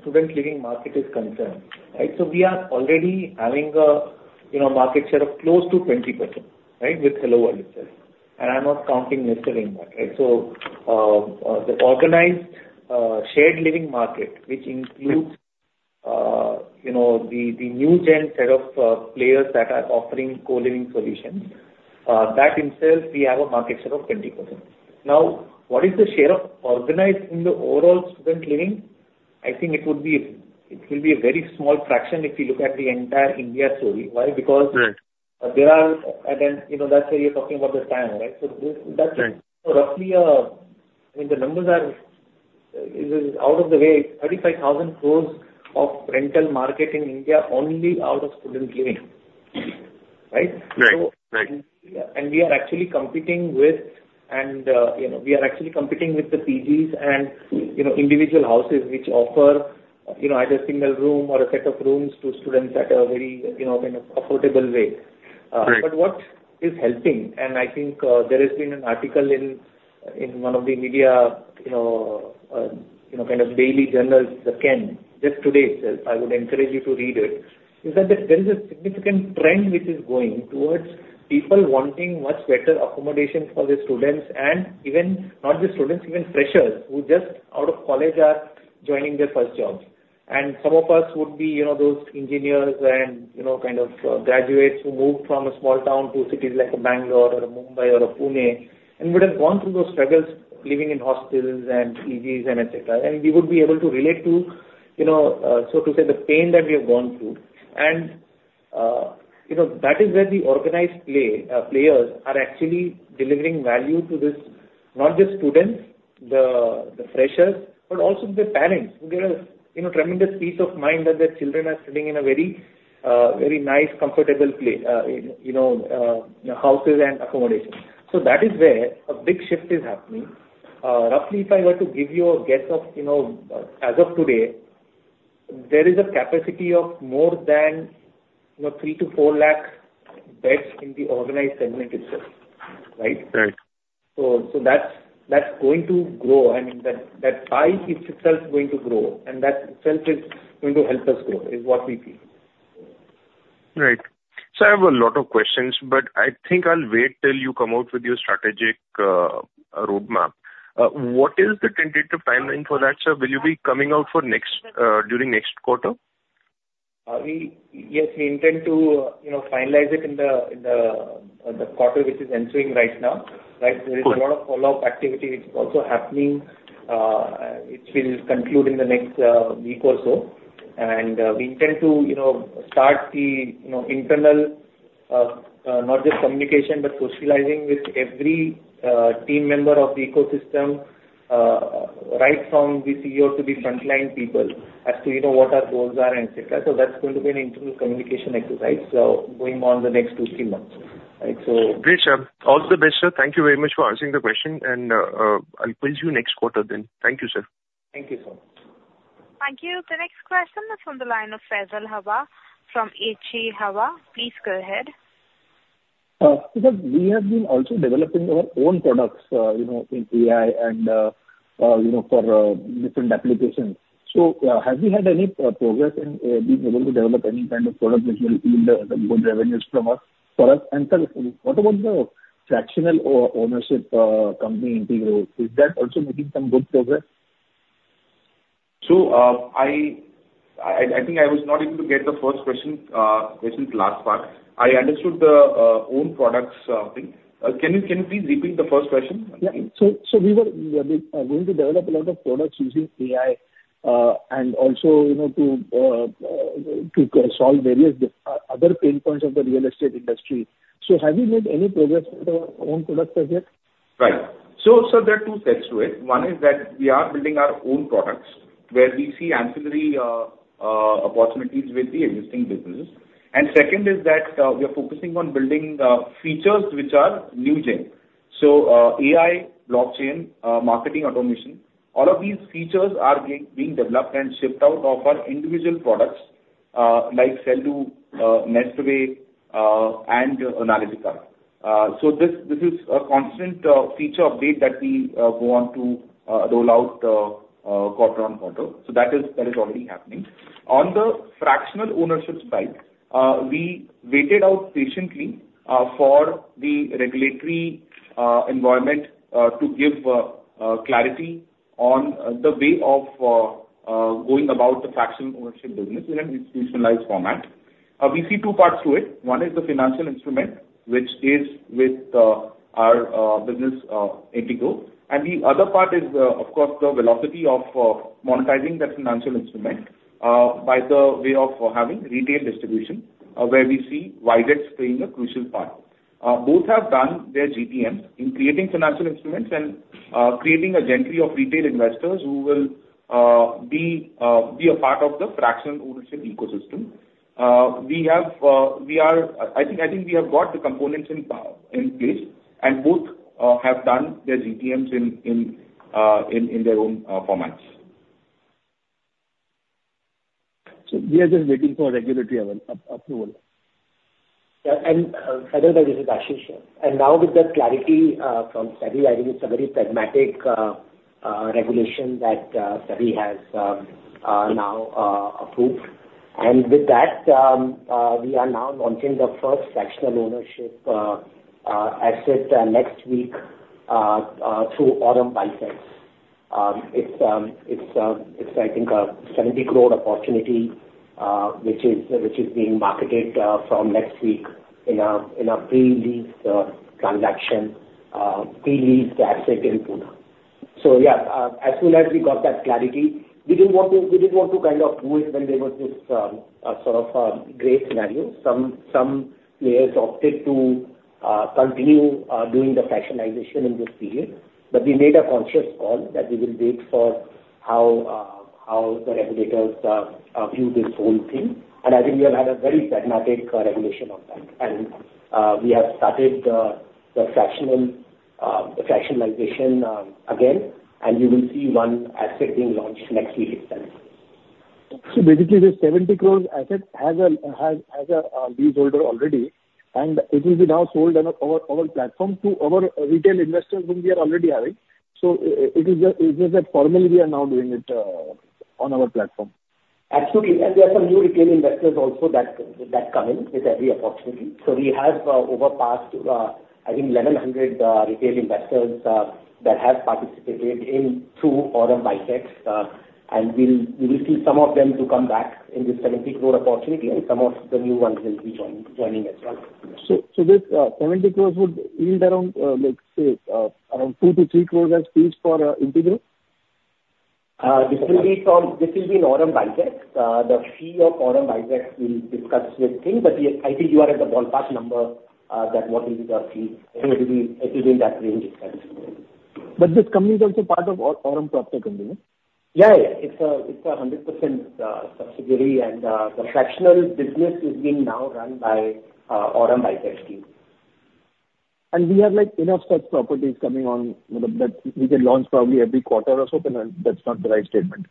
student living market is concerned, right, so we are already having a, you know, market share of close to 20%, right, with HelloWorld itself, and I'm not counting NestAway in that, right? So, the organized, shared living market, which includes, you know, the new gen set of players that are offering co-living solutions, that in itself, we have a market share of 20%. Now, what is the share of organized in the overall student living? I think it would be, it will be a very small fraction if you look at the entire India story. Why? Because- Right. There are, and then, you know, that's why you're talking about the TAM, right? So this, that's- Right. So roughly, I mean, the numbers are out of the way, 35,000 crore rental market in India, only out of student living. Right? Right. Right. So, we are actually competing with the PGs and, you know, individual houses which offer, you know, either a single room or a set of rooms to students at a very, you know, kind of affordable way. Right. But what is helping, and I think, there has been an article in one of the media, you know, kind of daily journals, The Ken, just today itself. I would encourage you to read it. Is that there is a significant trend which is going towards people wanting much better accommodation for their students and even not just students, even freshers, who just out of college are joining their first jobs. And some of us would be, you know, those engineers and, you know, kind of, graduates who moved from a small town to cities like Bangalore or Mumbai or Pune, and would have gone through those struggles living in hostels and PGs and et cetera. And we would be able to relate to, you know, so to say, the pain that we have gone through. You know, that is where the organized play players are actually delivering value to this, not just students, the freshers, but also the parents who get a, you know, tremendous peace of mind that their children are sitting in a very, very nice, comfortable place in, you know, houses and accommodations. So that is where a big shift is happening. Roughly, if I were to give you a guess of, you know, as of today, there is a capacity of more than, you know, 3-4 lakh beds in the organized segment itself, right? Right. So that's going to grow, and that pie is itself going to grow, and that itself is going to help us grow, is what we feel. Right. So I have a lot of questions, but I think I'll wait till you come out with your strategic roadmap. What is the tentative timeline for that, sir? Will you be coming out for next during next quarter? Yes, we intend to, you know, finalize it in the quarter which is ensuing right now, right? Right. There is a lot of follow-up activity which is also happening, which will conclude in the next week or so. And we intend to, you know, start the, you know, internal not just communication, but socializing with every team member of the ecosystem, right from the CEO to the frontline people as to, you know, what our goals are, and et cetera. So that's going to be an internal communication exercise going on the next two, three months. Right. So- Great, sir. All the best, sir. Thank you very much for answering the question, and, I'll quiz you next quarter then. Thank you, sir. Thank you, sir. Thank you. The next question is from the line of Faisal Hawa from H.G. Hawa. Please go ahead. Sir, we have been also developing our own products, you know, in AI and, you know, for different applications. So, have you had any progress in being able to develop any kind of product which will yield good revenues from us, for us? And sir, what about the fractional ownership company, Integrow? Is that also making some good progress? So, I think I was not able to get the first question, which is last part. I understood the own products thing. Can you please repeat the first question? Yeah. So we were going to develop a lot of products using AI, and also, you know, to solve various other pain points of the real estate industry. So have you made any progress with our own products as yet? Right. So there are two sets to it. One is that we are building our own products, where we see ancillary opportunities with the existing businesses. And second is that we are focusing on building features which are new-gen. So AI, blockchain, marketing automation, all of these features are being developed and shipped out of our individual products like Sell.Do, NestAway, and Analytica. So this is a constant feature update that we go on to roll out quarter-on-quarter. So that is already happening. On the fractional ownership side, we waited out patiently for the regulatory environment to give clarity on the way of going about the fractional ownership business in an institutionalized format. We see two parts to it. One is the financial instrument, which is with our business, Integrow. And the other part is, of course, the velocity of monetizing that financial instrument, by the way of having retail distribution, where we see WiseX playing a crucial part. Both have done their GTMs in creating financial instruments and creating an entry of retail investors who will be a part of the fractional ownership ecosystem. We are... I think we have got the components in place, and both have done their GTMs in their own formats. So we are just waiting for regulatory approval? Yeah, and, Faisal, this is Ashish. And now with the clarity from SEBI, I think it's a very pragmatic regulation that SEBI has now approved. And with that, we are now launching the first fractional ownership asset next week through Aurum WiseX. It's I think a 70 crore opportunity, which is being marketed from next week in a pre-leased transaction, pre-leased asset in Pune. So yeah, as soon as we got that clarity, we didn't want to kind of do it when there was this sort of a gray scenario. Some players opted to continue doing the fractionalization in this period. But we made a conscious call that we will wait for how the regulators view this whole thing. And we have had a very pragmatic regulation of that. And we have started the fractionalization again, and you will see one asset being launched next week itself. So basically, this 70 crore asset has a leaseholder already, and it will be now sold on our platform to our retail investors whom we are already having. So it is that formally we are now doing it on our platform? Absolutely. And there are some new retail investors also that come in with every opportunity. So we have, over the past, I think 1,100 retail investors that have participated in through Aurum Bytech. And we will see some of them to come back in this 70 crore opportunity, and some of the new ones will be joining as well. This 70 crores would yield around, like, say, around 2-3 crores as fees for Integrow? This will be from, this will be in Aurum Bytech. The fee of Aurum Bytech we'll discuss with him, but yes, I think you are at the ballpark number, that what is the fee. It will be, it will be in that range itself. But this company is also part of Aurum PropTech, yeah? Yeah, yeah. It's a 100% subsidiary, and the fractional business is being now run by Aurum Bytech team. We have, like, enough such properties coming on, you know, that we can launch probably every quarter or so, then that's not the right statement.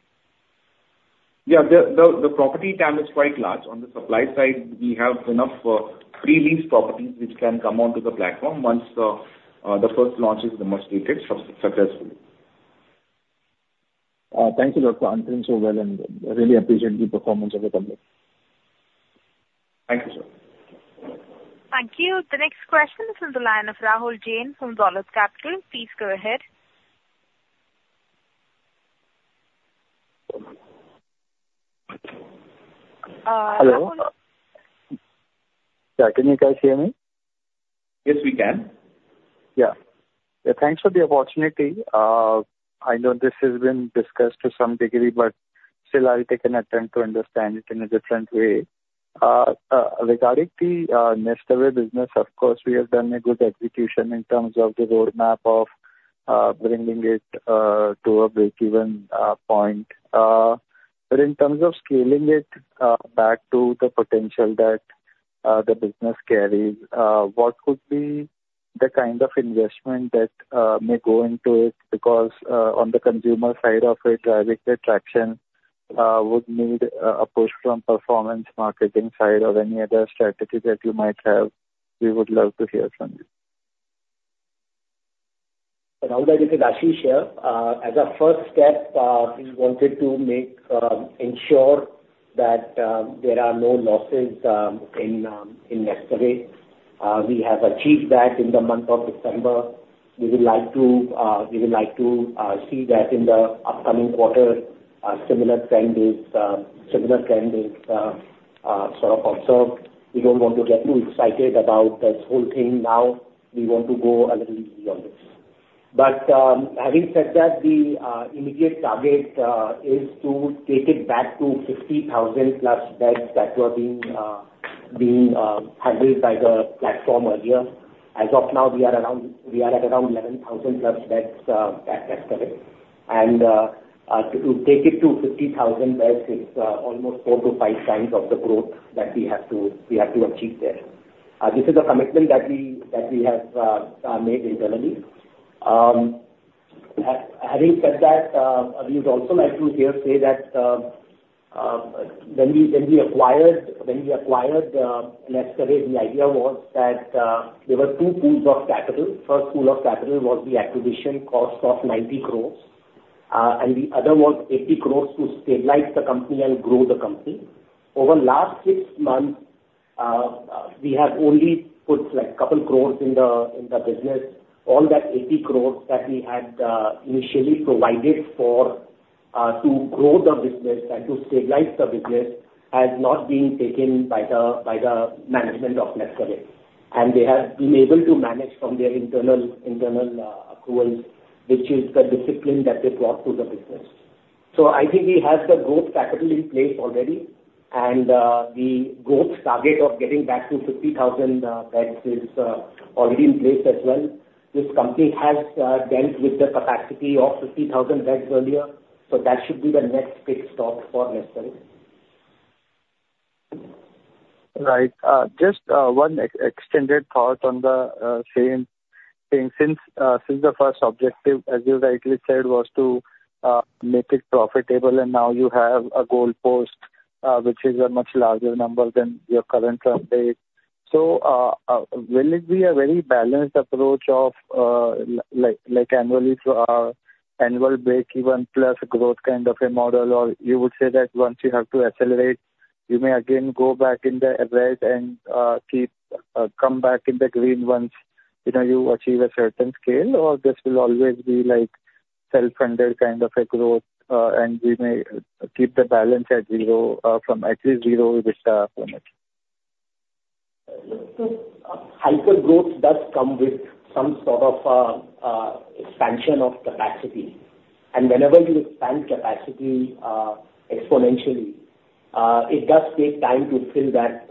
Yeah. The property TAM is quite large. On the supply side, we have enough pre-leased properties which can come onto the platform once the first launch is demonstrated successfully. Thank you for answering so well, and I really appreciate the performance of the company. Thank you, sir. Thank you. The next question is from the line of Rahul Hiren from Dolat Capital. Please go ahead. Hello. Can you guys hear me? Yes, we can. Yeah. Yeah, thanks for the opportunity. I know this has been discussed to some degree, but still, I'll take an attempt to understand it in a different way. Regarding the NestAway business, of course, we have done a good execution in terms of the roadmap of bringing it to a breakeven point. But in terms of scaling it back to the potential that the business carries, what could be the kind of investment that may go into it? Because on the consumer side of it, driving the traction would need a push from performance marketing side or any other strategy that you might have. We would love to hear from you. So now that it's Ashish here. As a first step, we wanted to make ensure that there are no losses in NestAway. We have achieved that in the month of December. We would like to see that in the upcoming quarter, a similar trend is sort of observed. We don't want to get too excited about this whole thing now. We want to go a little easy on this. But, having said that, the immediate target is to take it back to 50,000+ beds that were being handled by the platform earlier. As of now, we are at around 11,000+ beds at NestAway. To take it to 50,000 beds is almost 4-5 times of the growth that we have to achieve there. This is a commitment that we have made internally. Having said that, we would also like to hereby say that, when we acquired NestAway, the idea was that there were two pools of capital. First pool of capital was the acquisition cost of 90 crore, and the other was 80 crore to stabilize the company and grow the company. Over the last 6 months, we have only put, like, a couple crore in the business. All that 80 crore that we had initially provided for to grow the business and to stabilize the business has not been taken by the management of NestAway. And they have been able to manage from their internal accruals, which is the discipline that they brought to the business. So I think we have the growth capital in place already, and the growth target of getting back to 50,000 beds is already in place as well. This company has dealt with the capacity of 50,000 beds earlier, so that should be the next big stop for NestAway. Right. Just one extended thought on the same thing. Since the first objective, as you rightly said, was to make it profitable, and now you have a goalpost which is a much larger number than your current run rate. So, will it be a very balanced approach of like like annually annual breakeven plus growth kind of a model? Or you would say that once you have to accelerate, you may again go back in the red and keep come back in the green once you know you achieve a certain scale, or this will always be like self-funded kind of a growth, and we may keep the balance at zero from at least zero, which limit? So hyper growth does come with some sort of expansion of capacity, and whenever you expand capacity exponentially, it does take time to fill that,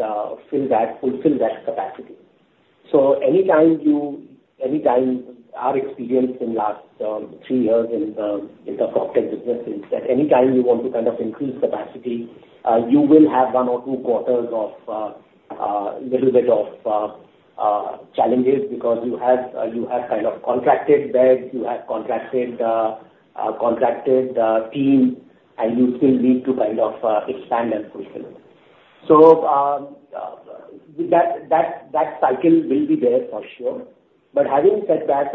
fulfill that capacity. So anytime you, our experience in last three years in the corporate business is that anytime you want to kind of increase capacity, you will have one or two quarters of a little bit of challenges, because you have kind of contracted beds, you have contracted team, and you still need to kind of expand and fulfill. So, that cycle will be there for sure. But having said that,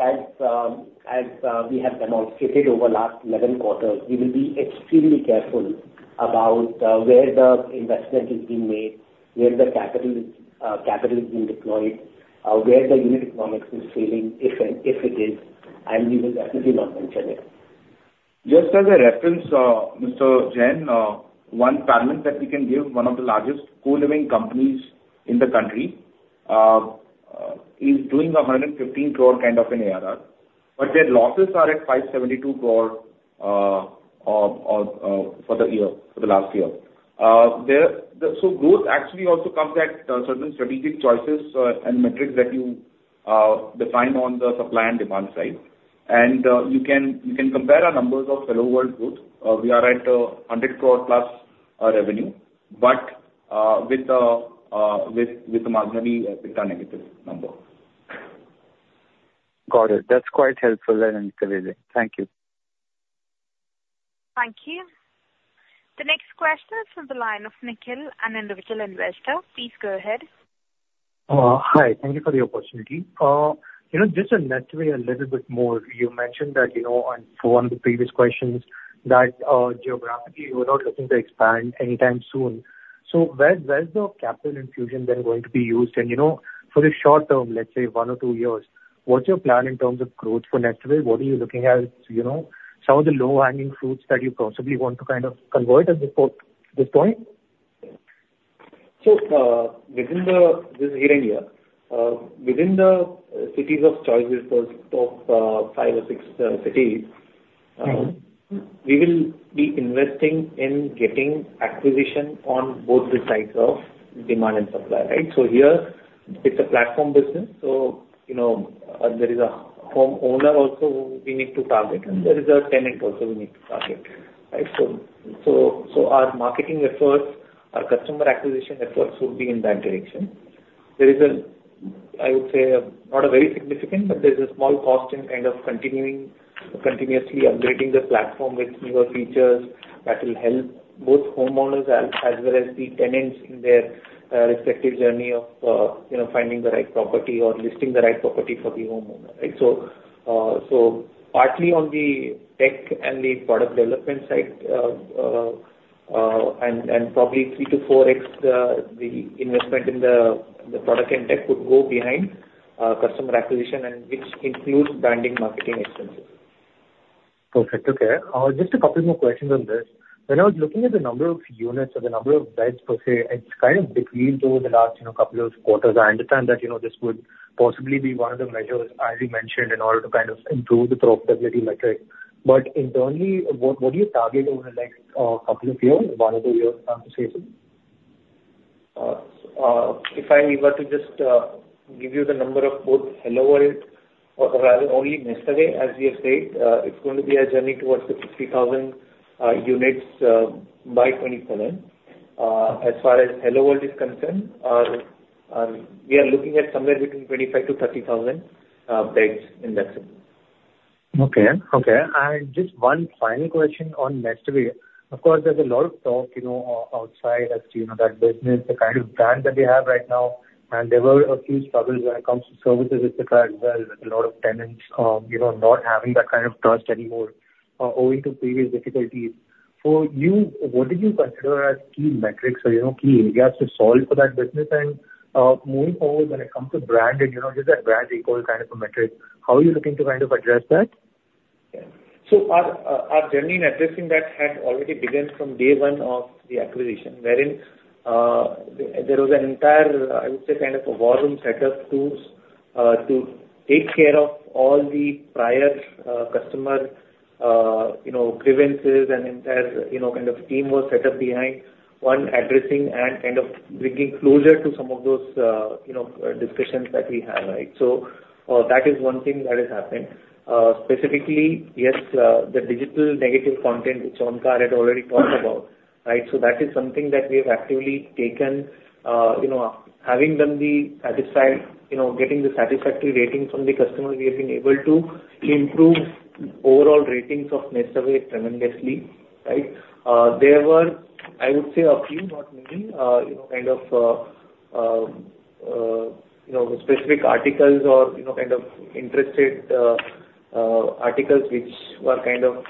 as we have demonstrated over last 11 quarters, we will be extremely careful about where the investment is being made, where the capital is, capital is being deployed, where the unit economics is failing, if it is, and we will definitely not mention it. Just as a reference, Mr. Hiren, one partner that we can give, one of the largest co-living companies in the country is doing 115 crore kind of an ARR, but their losses are at 572 crore for the year, for the last year. So growth actually also comes at certain strategic choices and metrics that you define on the supply and demand side. And you can compare our numbers of HelloWorld growth. We are at 100 crore plus revenue, but with a marginally negative number. Got it. That's quite helpful then, thank you. Thank you. The next question is from the line of Nikhil, an individual investor. Please go ahead. Hi, thank you for the opportunity. You know, just on NestAway a little bit more. You mentioned that, you know, on for one of the previous questions, that geographically, you are not looking to expand anytime soon. So where, where is the capital infusion then going to be used? And, you know, for the short term, let's say one or two years, what's your plan in terms of growth for NestAway? What are you looking at, you know, some of the low-hanging fruits that you possibly want to kind of convert as before this point? So, within the this hearing year, within the cities of choices for top, five or six, cities, we will be investing in getting acquisition on both the sides of demand and supply, right? So here, it's a platform business, so, you know, there is a home owner also we need to target, and there is a tenant also we need to target, right? So, so, so our marketing efforts, our customer acquisition efforts would be in that direction. There is a, I would say, not a very significant, but there's a small cost in kind of continuing, continuously upgrading the platform with newer features that will help both homeowners as, as well as the tenants in their, respective journey of, you know, finding the right property or listing the right property for the homeowner, right? So, partly on the tech and the product development side, and probably 3-4x the investment in the product and tech would go behind customer acquisition, which includes branding, marketing expenses. Perfect. Okay. Just a couple more questions on this. When I was looking at the number of units or the number of beds per se, it's kind of decreased over the last, you know, couple of quarters. I understand that, you know, this would possibly be one of the measures, as you mentioned, in order to kind of improve the profitability metric. But internally, what do you target over the next, couple of years, one or two years, to say so? If I were to just give you the number of both HelloWorld or, or rather only NestAway, as we have said, it's going to be a journey towards the 60,000 units by 2027. As far as HelloWorld is concerned, we are looking at somewhere between 25,000-30,000 beds at maximum. Okay. Okay, and just one final question on NestAway. Of course, there's a lot of talk, you know, outside as to, you know, that business, the kind of brand that they have right now, and there were a few struggles when it comes to services, et cetera, as well. With a lot of tenants, you know, not having that kind of trust anymore, owing to previous difficulties. For you, what do you consider as key metrics or, you know, key areas to solve for that business? And, moving forward, when it comes to brand and, you know, just that brand equal kind of a metric, how are you looking to kind of address that? So our journey in addressing that had already begun from day one of the acquisition, wherein, there was an entire, I would say, kind of a war room set up to take care of all the prior customer, you know, grievances and entire, you know, kind of team was set up behind one addressing and kind of bringing closure to some of those, you know, discussions that we had, right? So, that is one thing that has happened. Specifically, yes, the digital negative content, which Onkar had already talked about, right? So that is something that we have actively taken, you know, having them be satisfied, you know, getting the satisfactory rating from the customer, we have been able to improve overall ratings of NestAway tremendously, right? There were, I would say, a few, not many, you know, kind of, you know, specific articles or, you know, kind of interested, articles which were kind of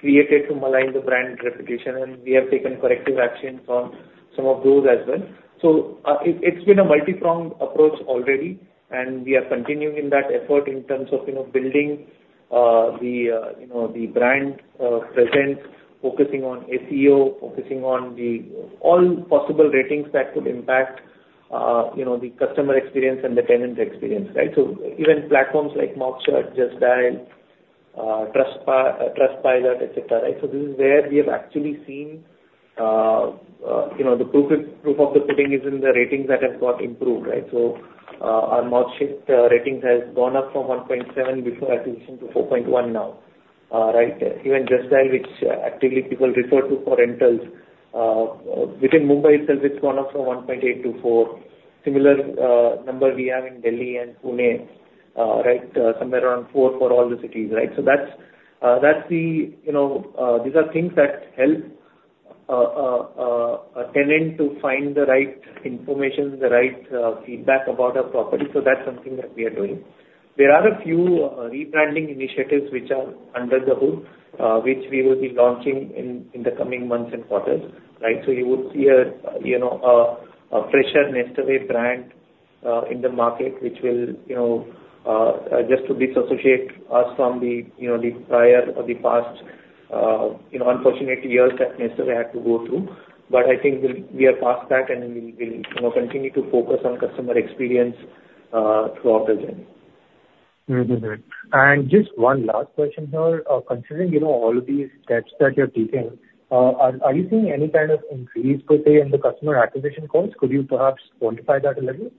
created to malign the brand reputation, and we have taken corrective action on some of those as well. So, it's been a multi-pronged approach already, and we are continuing that effort in terms of, you know, building, you know, the brand presence, focusing on SEO, focusing on the all possible ratings that could impact, you know, the customer experience and the tenant experience, right? So even platforms like MouthShut, Justdial, Trustpilot, et cetera, right? So this is where we have actually seen, you know, the proof of, proof of the pudding is in the ratings that have got improved, right? So, our MouthShut ratings has gone up from 1.7 before acquisition to 4.1 now, right? Even Justdial, which actively people refer to for rentals, within Mumbai itself, it's gone up from 1.8 to four. Similar number we have in Delhi and Pune, right? Somewhere around four for all the cities, right? So that's, that's the, you know, these are things that help a tenant to find the right information, the right feedback about a property, so that's something that we are doing. There are a few rebranding initiatives which are under the hood, which we will be launching in the coming months and quarters, right? So you would see a fresher NestAway brand in the market, which will, you know, just to disassociate us from the, you know, the prior or the past, unfortunate years that NestAway had to go through. But I think we're, we are past that, and we'll, we'll, you know, continue to focus on customer experience throughout the journey. Mm-hmm. Just one last question here. Considering, you know, all of these steps that you're taking, are you seeing any kind of increase, per se, in the customer acquisition costs? Could you perhaps quantify that a little?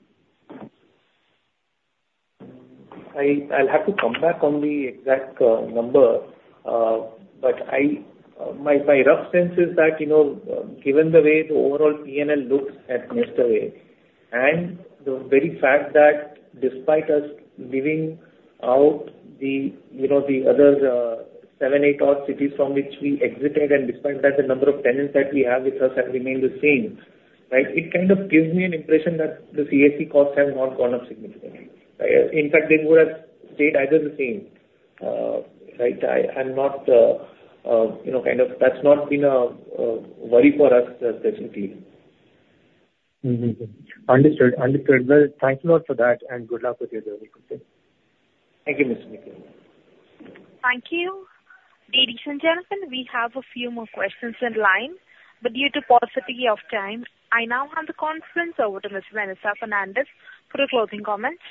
I'll have to come back on the exact number. But I, my rough sense is that, you know, given the way the overall PNL looks at NestAway, and the very fact that despite us giving out the, you know, the other, 7, 8 odd cities from which we exited, and despite that, the number of tenants that we have with us have remained the same, right? It kind of gives me an impression that the CAC costs have not gone up significantly. In fact, they would have stayed either the same, right? I, I'm not, you know, kind of-- That's not been a worry for us, certainly. Mm-hmm. Understood. Understood. Well, thank you a lot for that, and good luck with your journey. Thank you, Mr. Nikhil. Thank you. Ladies and gentlemen, we have a few more questions in line, but due to paucity of time, I now hand the conference over to Ms. Vanessa Fernandes for her closing comments.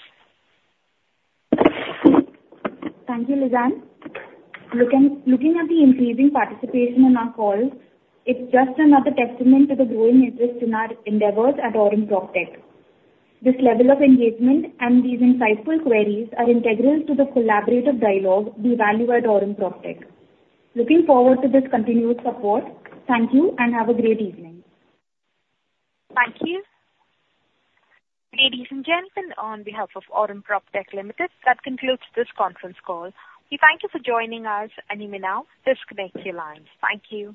Thank you, Lizanne. Looking at the increasing participation on our call, it's just another testament to the growing interest in our endeavors at Aurum PropTech. This level of engagement and these insightful queries are integral to the collaborative dialogue we value at Aurum PropTech. Looking forward to this continued support. Thank you, and have a great evening. Thank you. Ladies and gentlemen, on behalf of Aurum PropTech Limited, that concludes this conference call. We thank you for joining us, and you may now disconnect your lines. Thank you.